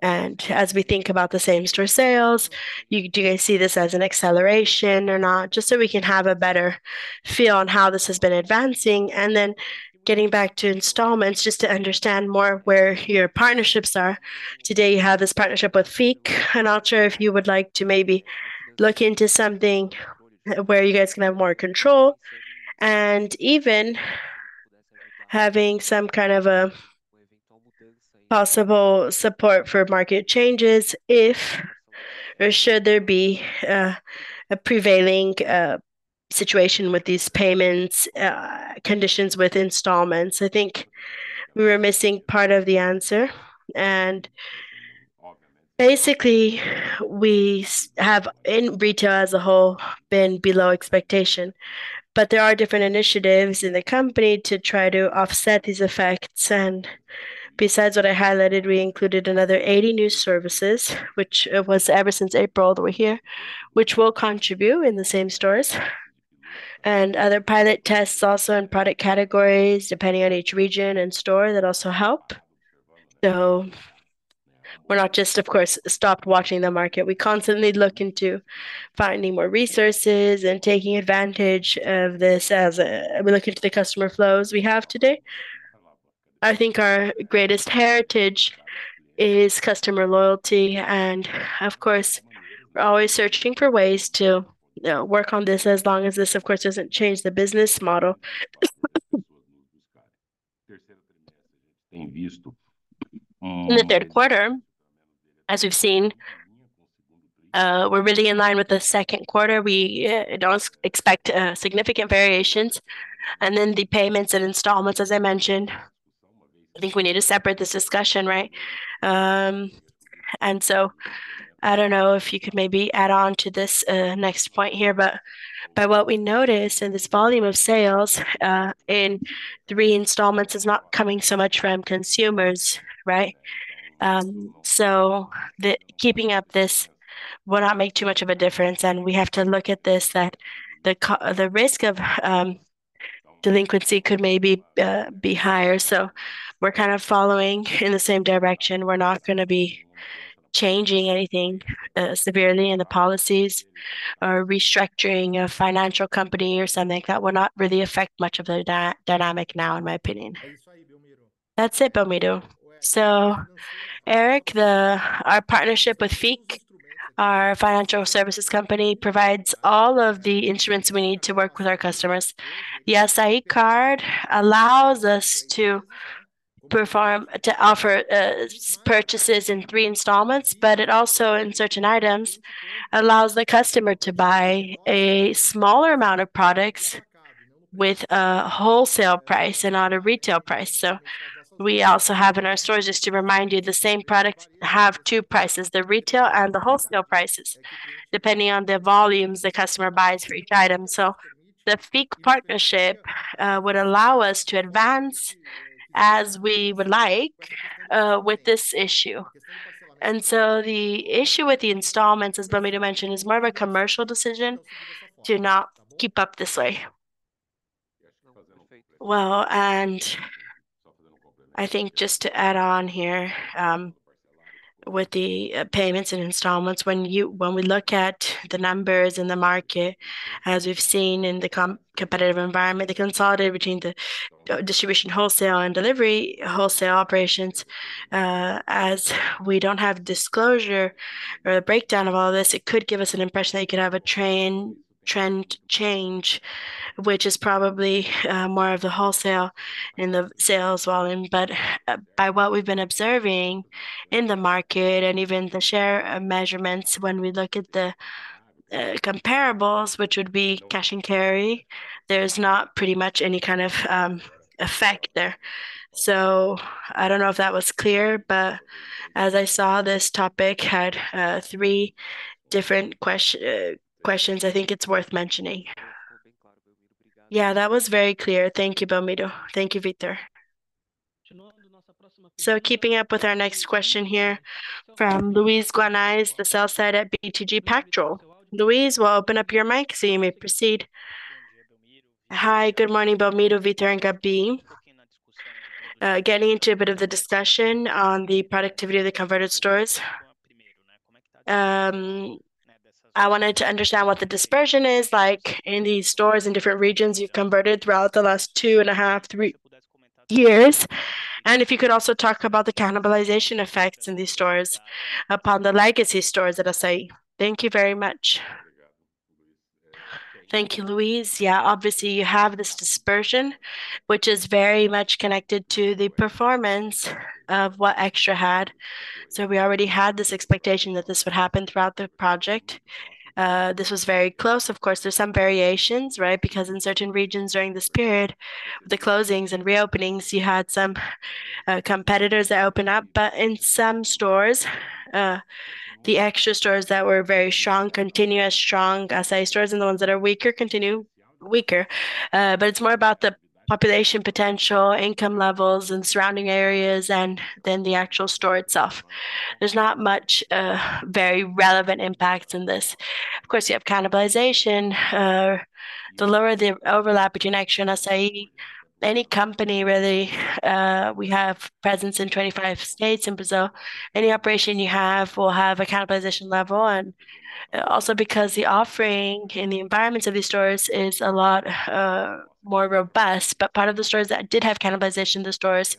and as we think about the same-store sales, you do you guys see this as an acceleration or not? Just so we can have a better feel on how this has been advancing. And then getting back to installments, just to understand more where your partnerships are. Today, you have this partnership with FIC, and I'm not sure if you would like to maybe look into something where you guys can have more control, and even having some kind of a possible support for market changes if, or should there be, a prevailing situation with these payments conditions with installments. I think we were missing part of the answer. Basically, we have, in retail as a whole, been below expectation, but there are different initiatives in the company to try to offset these effects. Besides what I highlighted, we included another 80 new services, which was ever since April that we're here, which will contribute in the same stores, and other pilot tests also in product categories, depending on each region and store, that also help. So we're not just, of course, stopped watching the market. We constantly look into finding more resources and taking advantage of this as, we look into the customer flows we have today. I think our greatest heritage is customer loyalty, and of course, we're always searching for ways to, you know, work on this as long as this, of course, doesn't change the business model. In the third quarter, as we've seen, we're really in line with the second quarter. We don't expect significant variations. And then the payments and installments, as I mentioned, I think we need to separate this discussion, right? And so I don't know if you could maybe add on to this next point here, but what we noticed in this volume of sales in three installments is not coming so much from consumers, right? So keeping up this will not make too much of a difference, and we have to look at this, that the risk of delinquency could maybe be higher. So we're kind of following in the same direction. We're not going to be changing anything severely in the policies or restructuring a financial company or something. That will not really affect much of the dynamic now, in my opinion. That's it, Belmiro. So Eric, our partnership with FIC, our financial services company, provides all of the instruments we need to work with our customers. The Assaí card allows us to perform—to offer purchases in three installments, but it also, in certain items, allows the customer to buy a smaller amount of products with a wholesale price and not a retail price. So we also have in our stores, just to remind you, the same products have two prices, the retail and the wholesale prices, depending on the volumes the customer buys for each item. So the FIC partnership would allow us to advance as we would like with this issue. So the issue with the installments, as Belmiro mentioned, is more of a commercial decision to not keep up this way. Well, and I think just to add on here, with the payments and installments, when we look at the numbers in the market, as we've seen in the competitive environment, the consolidated between the distribution, wholesale, and delivery wholesale operations, as we don't have disclosure or a breakdown of all this, it could give us an impression that you could have a trend change, which is probably more of the wholesale in the sales volume. But by what we've been observing in the market and even the share of measurements, when we look at the comparables, which would be cash and carry, there's not pretty much any kind of effect there. So I don't know if that was clear, but as I saw, this topic had three different questions. I think it's worth mentioning. Yeah, that was very clear. Thank you, Belmiro. Thank you, Vitor. So keeping up with our next question here from Luiz Guanais, the sell side at BTG Pactual. Luiz, we'll open up your mic so you may proceed. Hi, good morning, Belmiro, Vitor, and Gabi. Getting into a bit of the discussion on the productivity of the converted stores, I wanted to understand what the dispersion is like in these stores in different regions you've converted throughout the last two and a half, three years. And if you could also talk about the cannibalization effects in these stores upon the legacy stores at Assaí. Thank you very much. Thank you, Luiz. Yeah, obviously, you have this dispersion, which is very much connected to the performance of what Extra had. So we already had this expectation that this would happen throughout the project. This was very close. Of course, there's some variations, right? Because in certain regions during this period, the closings and reopenings, you had some competitors that open up. But in some stores, the Extra stores that were very strong, continuous, strong Assaí stores, and the ones that are weaker, continue weaker. But it's more about the population potential, income levels, and surrounding areas, and then the actual store itself. There's not much very relevant impact in this. Of course, you have cannibalization, the lower the overlap between Extra and Assaí. Any company, really, we have presence in 25 states in Brazil, any operation you have will have a cannibalization level, and also because the offering in the environments of these stores is a lot more robust. But part of the stores that did have cannibalization, the stores,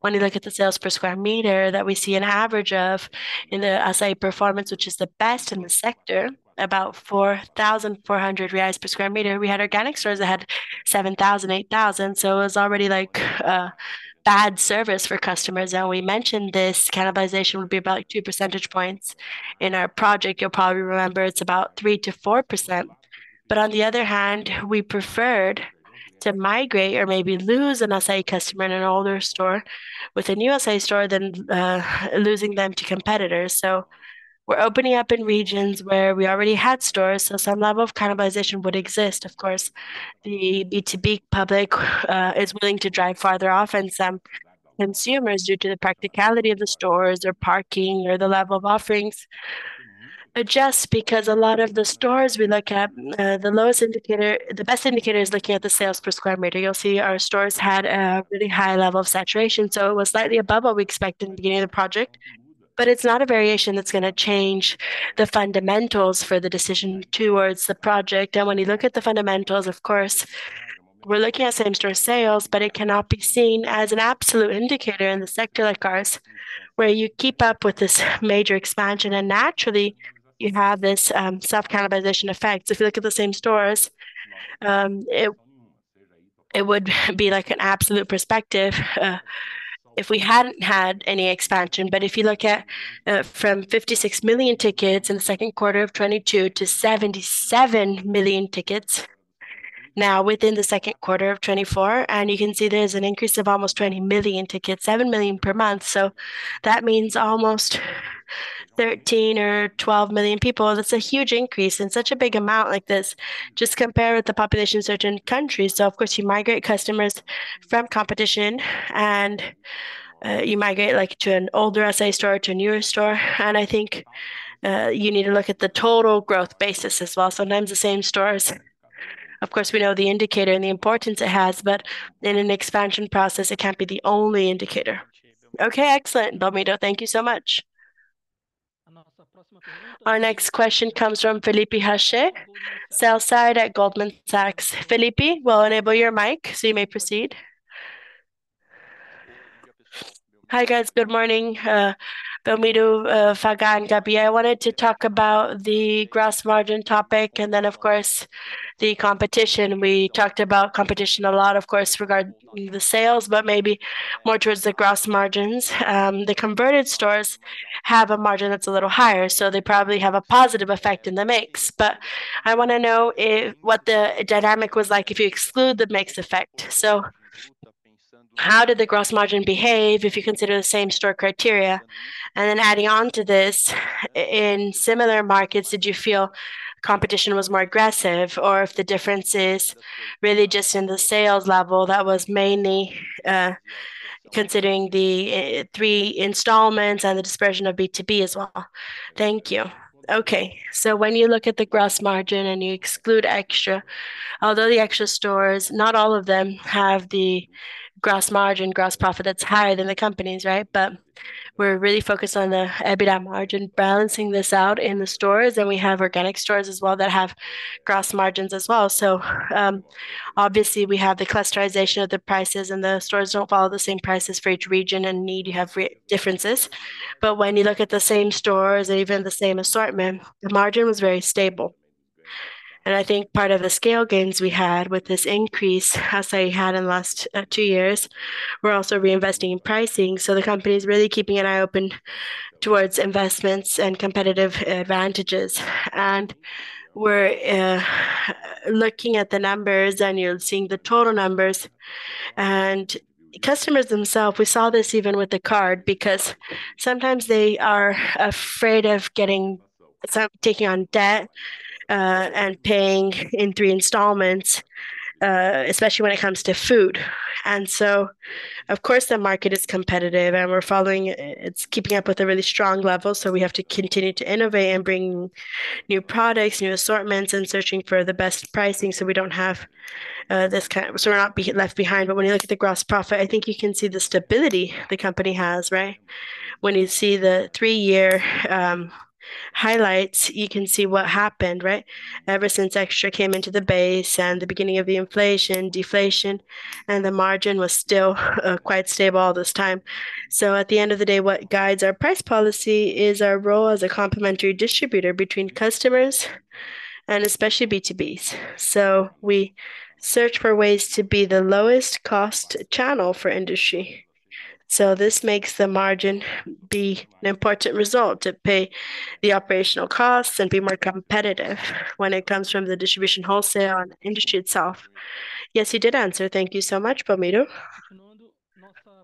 when you look at the sales per square meter, that we see an average of in the Assaí performance, which is the best in the sector, about 4,400 reais per square meter. We had organic stores that had 7,000, 8,000, so it was already like a bad service for customers. And we mentioned this cannibalization would be about 2 percentage points. In our project, you'll probably remember it's about 3%-4%. But on the other hand, we preferred to migrate or maybe lose an Assaí customer in an older store with a new Assaí store than, losing them to competitors. So we're opening up in regions where we already had stores, so some level of cannibalization would exist. Of course, the B2B public, is willing to drive farther off, and some consumers, due to the practicality of the stores or parking or the level of offerings, adjust because a lot of the stores we look at, the best indicator is looking at the sales per square meter. You'll see our stores had a really high level of saturation, so it was slightly above what we expected in the beginning of the project. But it's not a variation that's going to change the fundamentals for the decision towards the project. When you look at the fundamentals, of course, we're looking at same-store sales, but it cannot be seen as an absolute indicator in the sector like ours, where you keep up with this major expansion and naturally you have this, self-cannibalization effect. If you look at the same stores, it, it would be like an absolute perspective, if we hadn't had any expansion. But if you look at, from 56 million tickets in the second quarter of 2022 to 77 million tickets now within the second quarter of 2024, and you can see there's an increase of almost 20 million tickets, 7 million per month. So that means almost 13 or 12 million people. That's a huge increase, and such a big amount like this, just compare with the population of certain countries. So of course, you migrate customers from competition and-... You migrate, like, to an older Assaí store to a newer store. And I think, you need to look at the total growth basis as well. Sometimes the same stores, of course, we know the indicator and the importance it has, but in an expansion process, it can't be the only indicator. Okay, excellent, Belmiro. Thank you so much. Our next question comes from Felipe Rached, sell side at Goldman Sachs. Felipe, we'll enable your mic so you may proceed. Hi, guys. Good morning, Belmiro, Fagá, Gabi. I wanted to talk about the gross margin topic and then, of course, the competition. We talked about competition a lot, of course, regarding the sales, but maybe more towards the gross margins. The converted stores have a margin that's a little higher, so they probably have a positive effect in the mix. But I wanna know if what the dynamic was like if you exclude the mix effect. So how did the gross margin behave if you consider the same store criteria? And then adding on to this, in similar markets, did you feel competition was more aggressive, or if the difference is really just in the sales level, that was mainly considering the three installments and the dispersion of B2B as well? Thank you. Okay. So when you look at the gross margin and you exclude extra, although the extra stores, not all of them have the gross margin, gross profit, that's higher than the company's, right? But we're really focused on the EBITDA margin, balancing this out in the stores, and we have organic stores as well that have gross margins as well. So, obviously, we have the clusterization of the prices, and the stores don't follow the same prices for each region and need to have differences. But when you look at the same stores and even the same assortment, the margin was very stable. I think part of the scale gains we had with this increase, as I had in the last two years, we're also reinvesting in pricing. So the company is really keeping an eye open towards investments and competitive advantages. We're looking at the numbers, and you're seeing the total numbers. Customers themselves, we saw this even with the card, because sometimes they are afraid of getting, start taking on debt and paying in three installments, especially when it comes to food. So, of course, the market is competitive, and we're following... It's keeping up with a really strong level, so we have to continue to innovate and bring new products, new assortments, and searching for the best pricing so we don't have, this kind, so we're not be left behind. But when you look at the gross profit, I think you can see the stability the company has, right? When you see the three-year highlights, you can see what happened, right? Ever since Extra came into the base and the beginning of the inflation, deflation, and the margin was still quite stable all this time. So at the end of the day, what guides our price policy is our role as a complementary distributor between customers and especially B2Bs. So we search for ways to be the lowest cost channel for industry. So this makes the margin be an important result to pay the operational costs and be more competitive when it comes from the distribution wholesale and industry itself. Yes, you did answer. Thank you so much, Belmiro.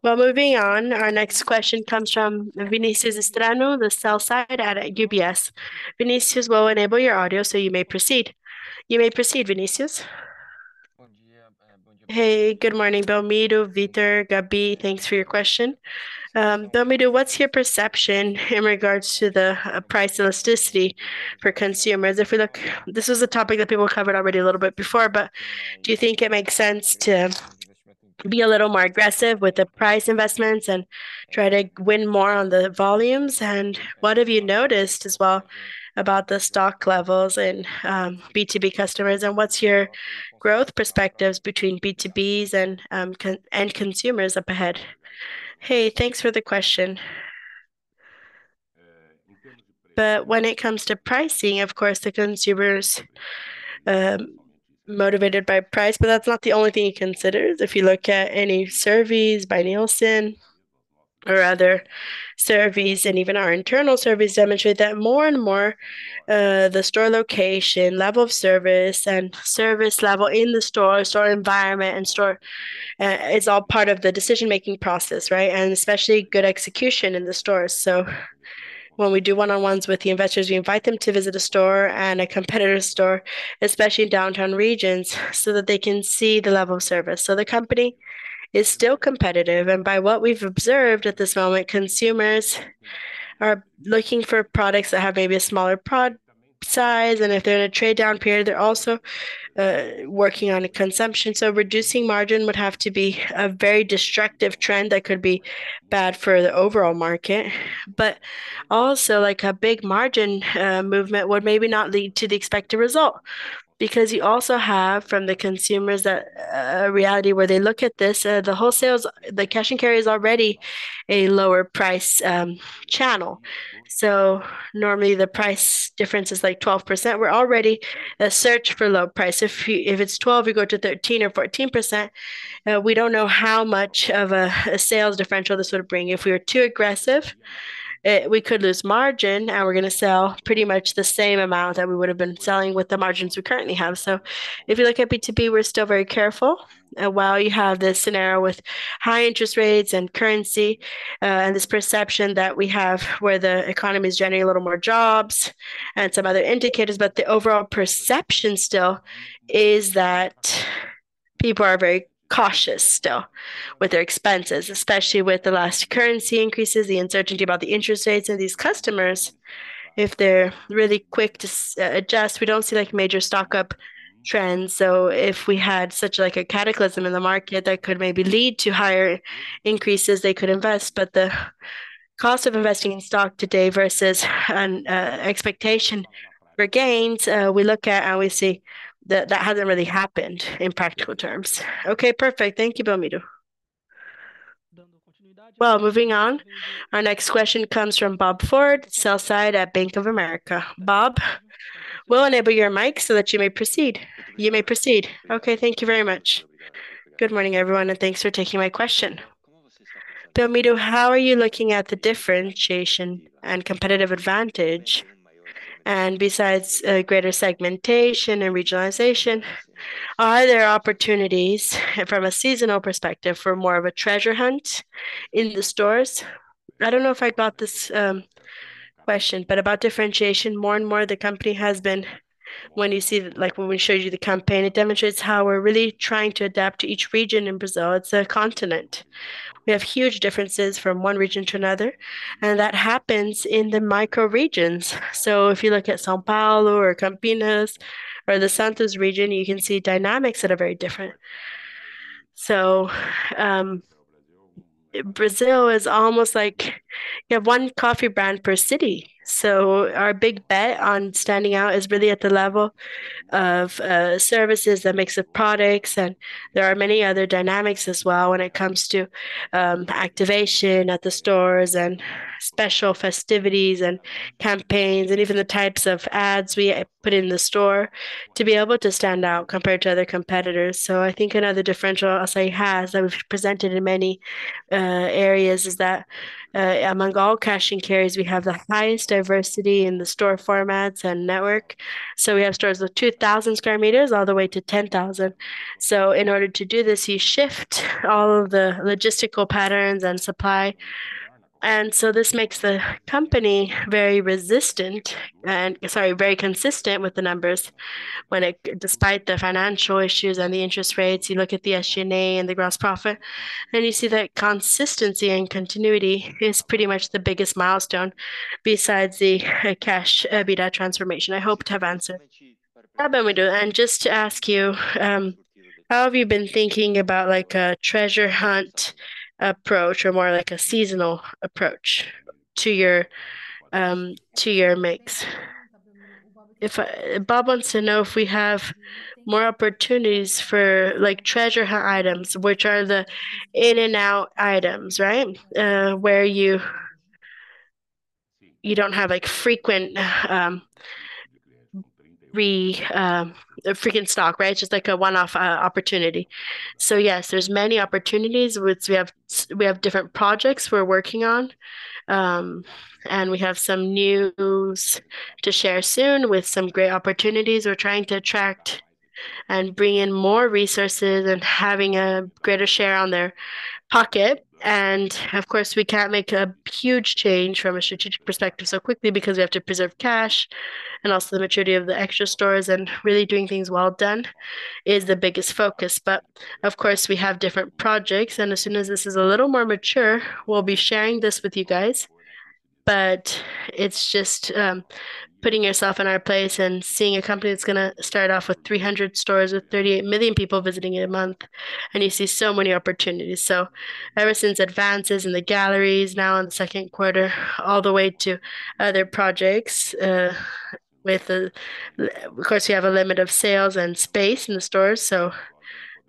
Well, moving on, our next question comes from Vinicius Strano, the sell side at UBS. Vinicius, we'll enable your audio so you may proceed. You may proceed, Vinicius. Hey, good morning, Belmiro, Vitor, Gabi. Thanks for your question. Belmiro, what's your perception in regards to the price elasticity for consumers? If we look. This is a topic that people covered already a little bit before, but do you think it makes sense to be a little more aggressive with the price investments and try to win more on the volumes? And what have you noticed as well about the stock levels in B2B customers, and what's your growth perspectives between B2Bs and consumers up ahead? Hey, thanks for the question. But when it comes to pricing, of course, the consumer's motivated by price, but that's not the only thing he considers. If you look at any surveys by Nielsen or other surveys, and even our internal surveys demonstrate that more and more the store location, level of service and service level in the store, store environment and store is all part of the decision-making process, right? And especially good execution in the stores. So when we do one-on-ones with the investors, we invite them to visit a store and a competitor store, especially in downtown regions, so that they can see the level of service. So the company is still competitive, and by what we've observed at this moment, consumers are looking for products that have maybe a smaller product size, and if they're in a trade-down period, they're also working on a consumption. So reducing margin would have to be a very destructive trend that could be bad for the overall market. But also, like, a big margin movement would maybe not lead to the expected result, because you also have, from the consumers, a reality where they look at this the wholesales, the cash and carry is already a lower price channel. So normally, the price difference is, like, 12%. We're already a search for low price. If you, if it's twelve, you go to 13% or 14%, we don't know how much of a sales differential this would bring. If we were too aggressive, we could lose margin, and we're gonna sell pretty much the same amount that we would have been selling with the margins we currently have. So if you look at B2B, we're still very careful. And while you have this scenario with high interest rates and currency, and this perception that we have where the economy is generating a little more jobs and some other indicators, but the overall perception still is that people are very cautious still with their expenses, especially with the last currency increases, the uncertainty about the interest rates of these customers. If they're really quick to adjust, we don't see, like, major stock up trends. So if we had such, like, a cataclysm in the market that could maybe lead to higher increases, they could invest. But the cost of investing in stock today versus an expectation for gains, we look at and we see that that hasn't really happened in practical terms. Okay, perfect. Thank you, Belmiro. Well, moving on, our next question comes from the line of Bob Ford at Bank of America. Bob, we'll enable your mic so that you may proceed. You may proceed. Okay, thank you very much. Good morning, everyone, and thanks for taking my question. Belmiro, how are you looking at the differentiation and competitive advantage? And besides, a greater segmentation and regionalization, are there opportunities from a seasonal perspective for more of a treasure hunt in the stores? I don't know if I got this question, but about differentiation, more and more the company has been—when you see, like, when we showed you the campaign, it demonstrates how we're really trying to adapt to each region in Brazil. It's a continent. We have huge differences from one region to another, and that happens in the micro regions. So if you look at São Paulo or Campinas or the Santos region, you can see dynamics that are very different. So, Brazil is almost like you have one coffee brand per city. So our big bet on standing out is really at the level of, services, the mix of products, and there are many other dynamics as well when it comes to, activation at the stores, and special festivities, and campaigns, and even the types of ads we put in the store to be able to stand out compared to other competitors. So I think another differential I'll say has, that we've presented in many, areas, is that, among all cash-and-carry, we have the highest diversity in the store formats and network. So we have stores with 2,000 square meters all the way to 10,000. So in order to do this, you shift all of the logistical patterns and supply, and so this makes the company very resistant, and... Sorry, very consistent with the numbers despite the financial issues and the interest rates, you look at the SG&A and the gross profit, and you see that consistency and continuity is pretty much the biggest milestone besides the cash EBITDA transformation. I hope to have answered. Hi, Belmiro, and just to ask you, how have you been thinking about, like, a treasure hunt approach or more like a seasonal approach to your mix? If Bob wants to know if we have more opportunities for, like, treasure hunt items, which are the in-and-out items, right? Where you don't have, like, frequent restock, right? Just like a one-off opportunity. So yes, there's many opportunities, which we have we have different projects we're working on, and we have some news to share soon with some great opportunities. We're trying to attract and bring in more resources and having a greater share on their pocket. And of course, we can't make a huge change from a strategic perspective so quickly because we have to preserve cash and also the maturity of the extra stores, and really doing things well done is the biggest focus. But of course, we have different projects, and as soon as this is a little more mature, we'll be sharing this with you guys. But it's just putting yourself in our place and seeing a company that's gonna start off with 300 stores, with 38 million people visiting it a month, and you see so many opportunities. So ever since advances in the galleries now in the second quarter, all the way to other projects, with, of course, we have a limit of sales and space in the stores, so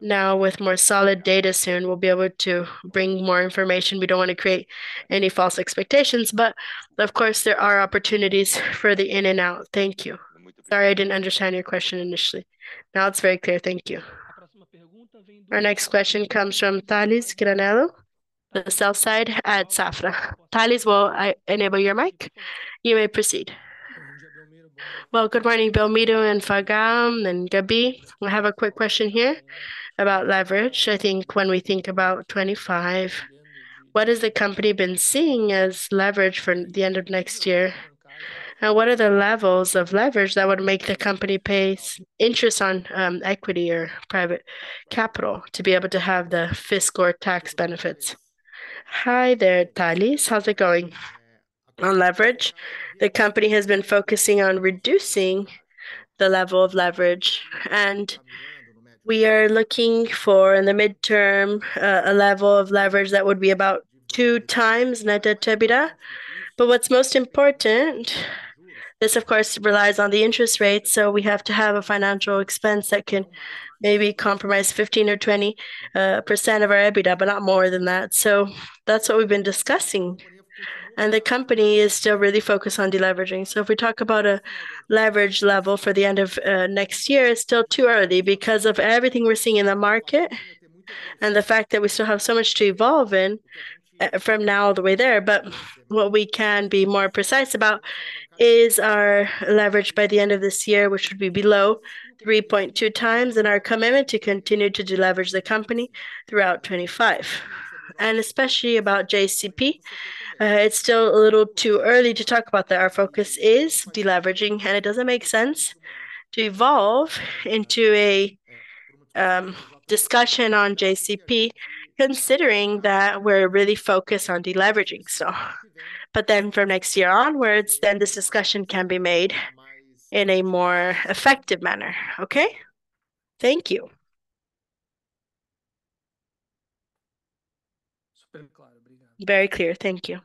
now with more solid data soon, we'll be able to bring more information. We don't want to create any false expectations, but of course, there are opportunities for the in and out. Thank you. Sorry, I didn't understand your question initially. Now it's very clear. Thank you. Our next question comes from Tales Granello, analyst at Safra. Tales, we'll enable your mic. You may proceed. Well, good morning, Belmiro and Fagá and Gabi. I have a quick question here about leverage. I think when we think about 2025, what has the company been seeing as leverage for the end of next year? What are the levels of leverage that would make the company pay interest on, equity or private capital to be able to have the fiscal or tax benefits? Hi there, Tales. How's it going? On leverage, the company has been focusing on reducing the level of leverage, and we are looking for, in the midterm, a level of leverage that would be about 2x net debt to EBITDA. But what's most important, this of course, relies on the interest rate, so we have to have a financial expense that can maybe compromise 15 or 20% of our EBITDA, but not more than that. So that's what we've been discussing, and the company is still really focused on deleveraging. So if we talk about a leverage level for the end of next year, it's still too early because of everything we're seeing in the market and the fact that we still have so much to evolve in from now all the way there. But what we can be more precise about is our leverage by the end of this year, which should be below 3.2x, and our commitment to continue to deleverage the company throughout 2025 and especially about JCP, it's still a little too early to talk about that. Our focus is deleveraging, and it doesn't make sense to evolve into a discussion on JCP, considering that we're really focused on deleveraging, so. But then from next year onwards, then this discussion can be made in a more effective manner. Okay? Thank you. Very clear. Thank you.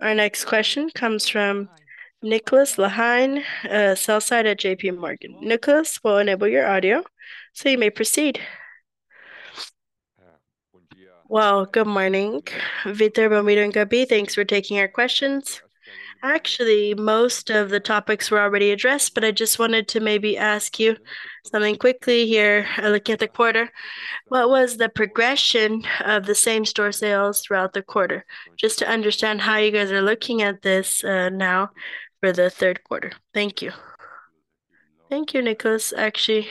Our next question comes from Nicolas Larrain at JP Morgan. Nicholas, we'll enable your audio, so you may proceed. Well, good morning, Vitor, Belmiro, and Gabi. Thanks for taking our questions. Actually, most of the topics were already addressed, but I just wanted to maybe ask you something quickly here, looking at the quarter. What was the progression of the same-store sales throughout the quarter? Just to understand how you guys are looking at this, now for the third quarter. Thank you. Thank you, Nicholas. Actually,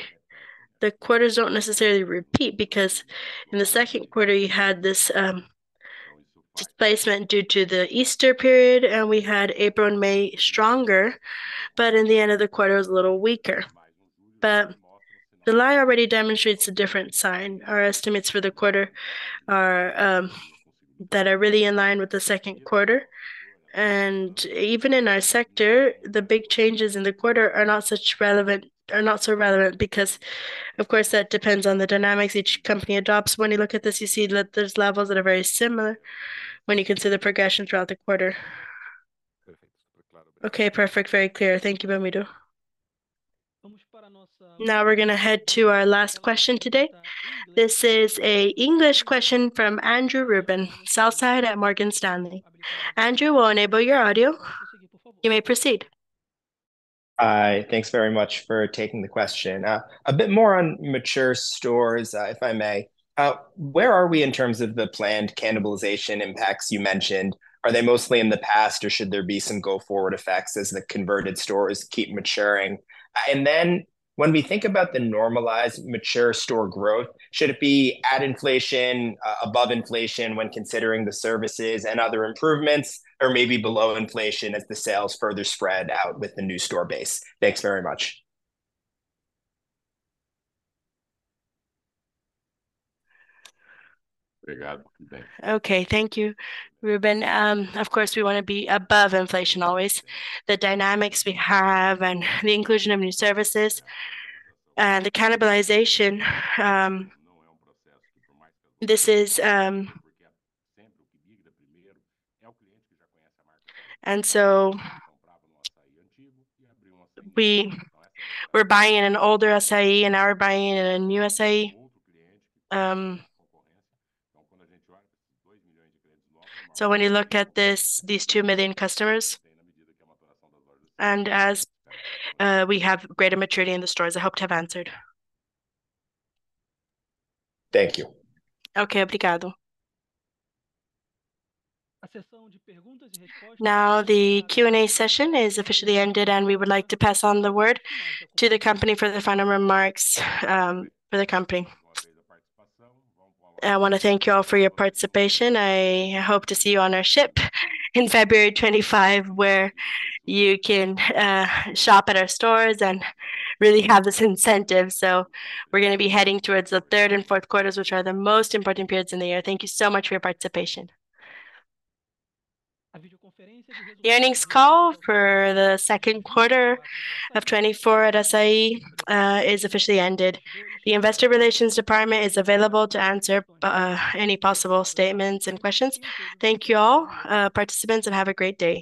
the quarters don't necessarily repeat, because in the second quarter, you had this displacement due to the Easter period, and we had April and May stronger, but in the end of the quarter, it was a little weaker. But July already demonstrates a different sign. Our estimates for the quarter are that are really in line with the second quarter. And even in our sector, the big changes in the quarter are not so relevant because, of course, that depends on the dynamics each company adopts. When you look at this, you see that there's levels that are very similar when you consider the progression throughout the quarter. Okay, perfect. Very clear. Thank you, Belmiro. Now we're gonna head to our last question today. This is an English question from Andrew Ruben, analyst at Morgan Stanley. Andrew, we'll enable your audio. You may proceed. Hi. Thanks very much for taking the question. A bit more on mature stores, if I may. Where are we in terms of the planned cannibalization impacts you mentioned? Are they mostly in the past, or should there be some go-forward effects as the converted stores keep maturing? And then, when we think about the normalized mature store growth, should it be at inflation, above inflation, when considering the services and other improvements, or maybe below inflation as the sales further spread out with the new store base? Thanks very much. Okay, thank you, Ruben. Of course, we want to be above inflation always. The dynamics we have and the inclusion of new services, the cannibalization, this is... And so we were buying an older Assai, and now we're buying a new Assai. So when you look at this, these 2 million customers, and as we have greater maturity in the stores. I hope to have answered. Thank you. Okay, obrigado. Now, the Q&A session is officially ended, and we would like to pass on the word to the company for the final remarks, for the company. I want to thank you all for your participation. I hope to see you on our ship in February 25, where you can shop at our stores and really have this incentive. So we're gonna be heading towards the third and fourth quarters, which are the most important periods in the year. Thank you so much for your participation. The earnings call for the second quarter of 2024 at Assaí is officially ended. The Investor Relations Department is available to answer any possible statements and questions. Thank you all participants, and have a great day.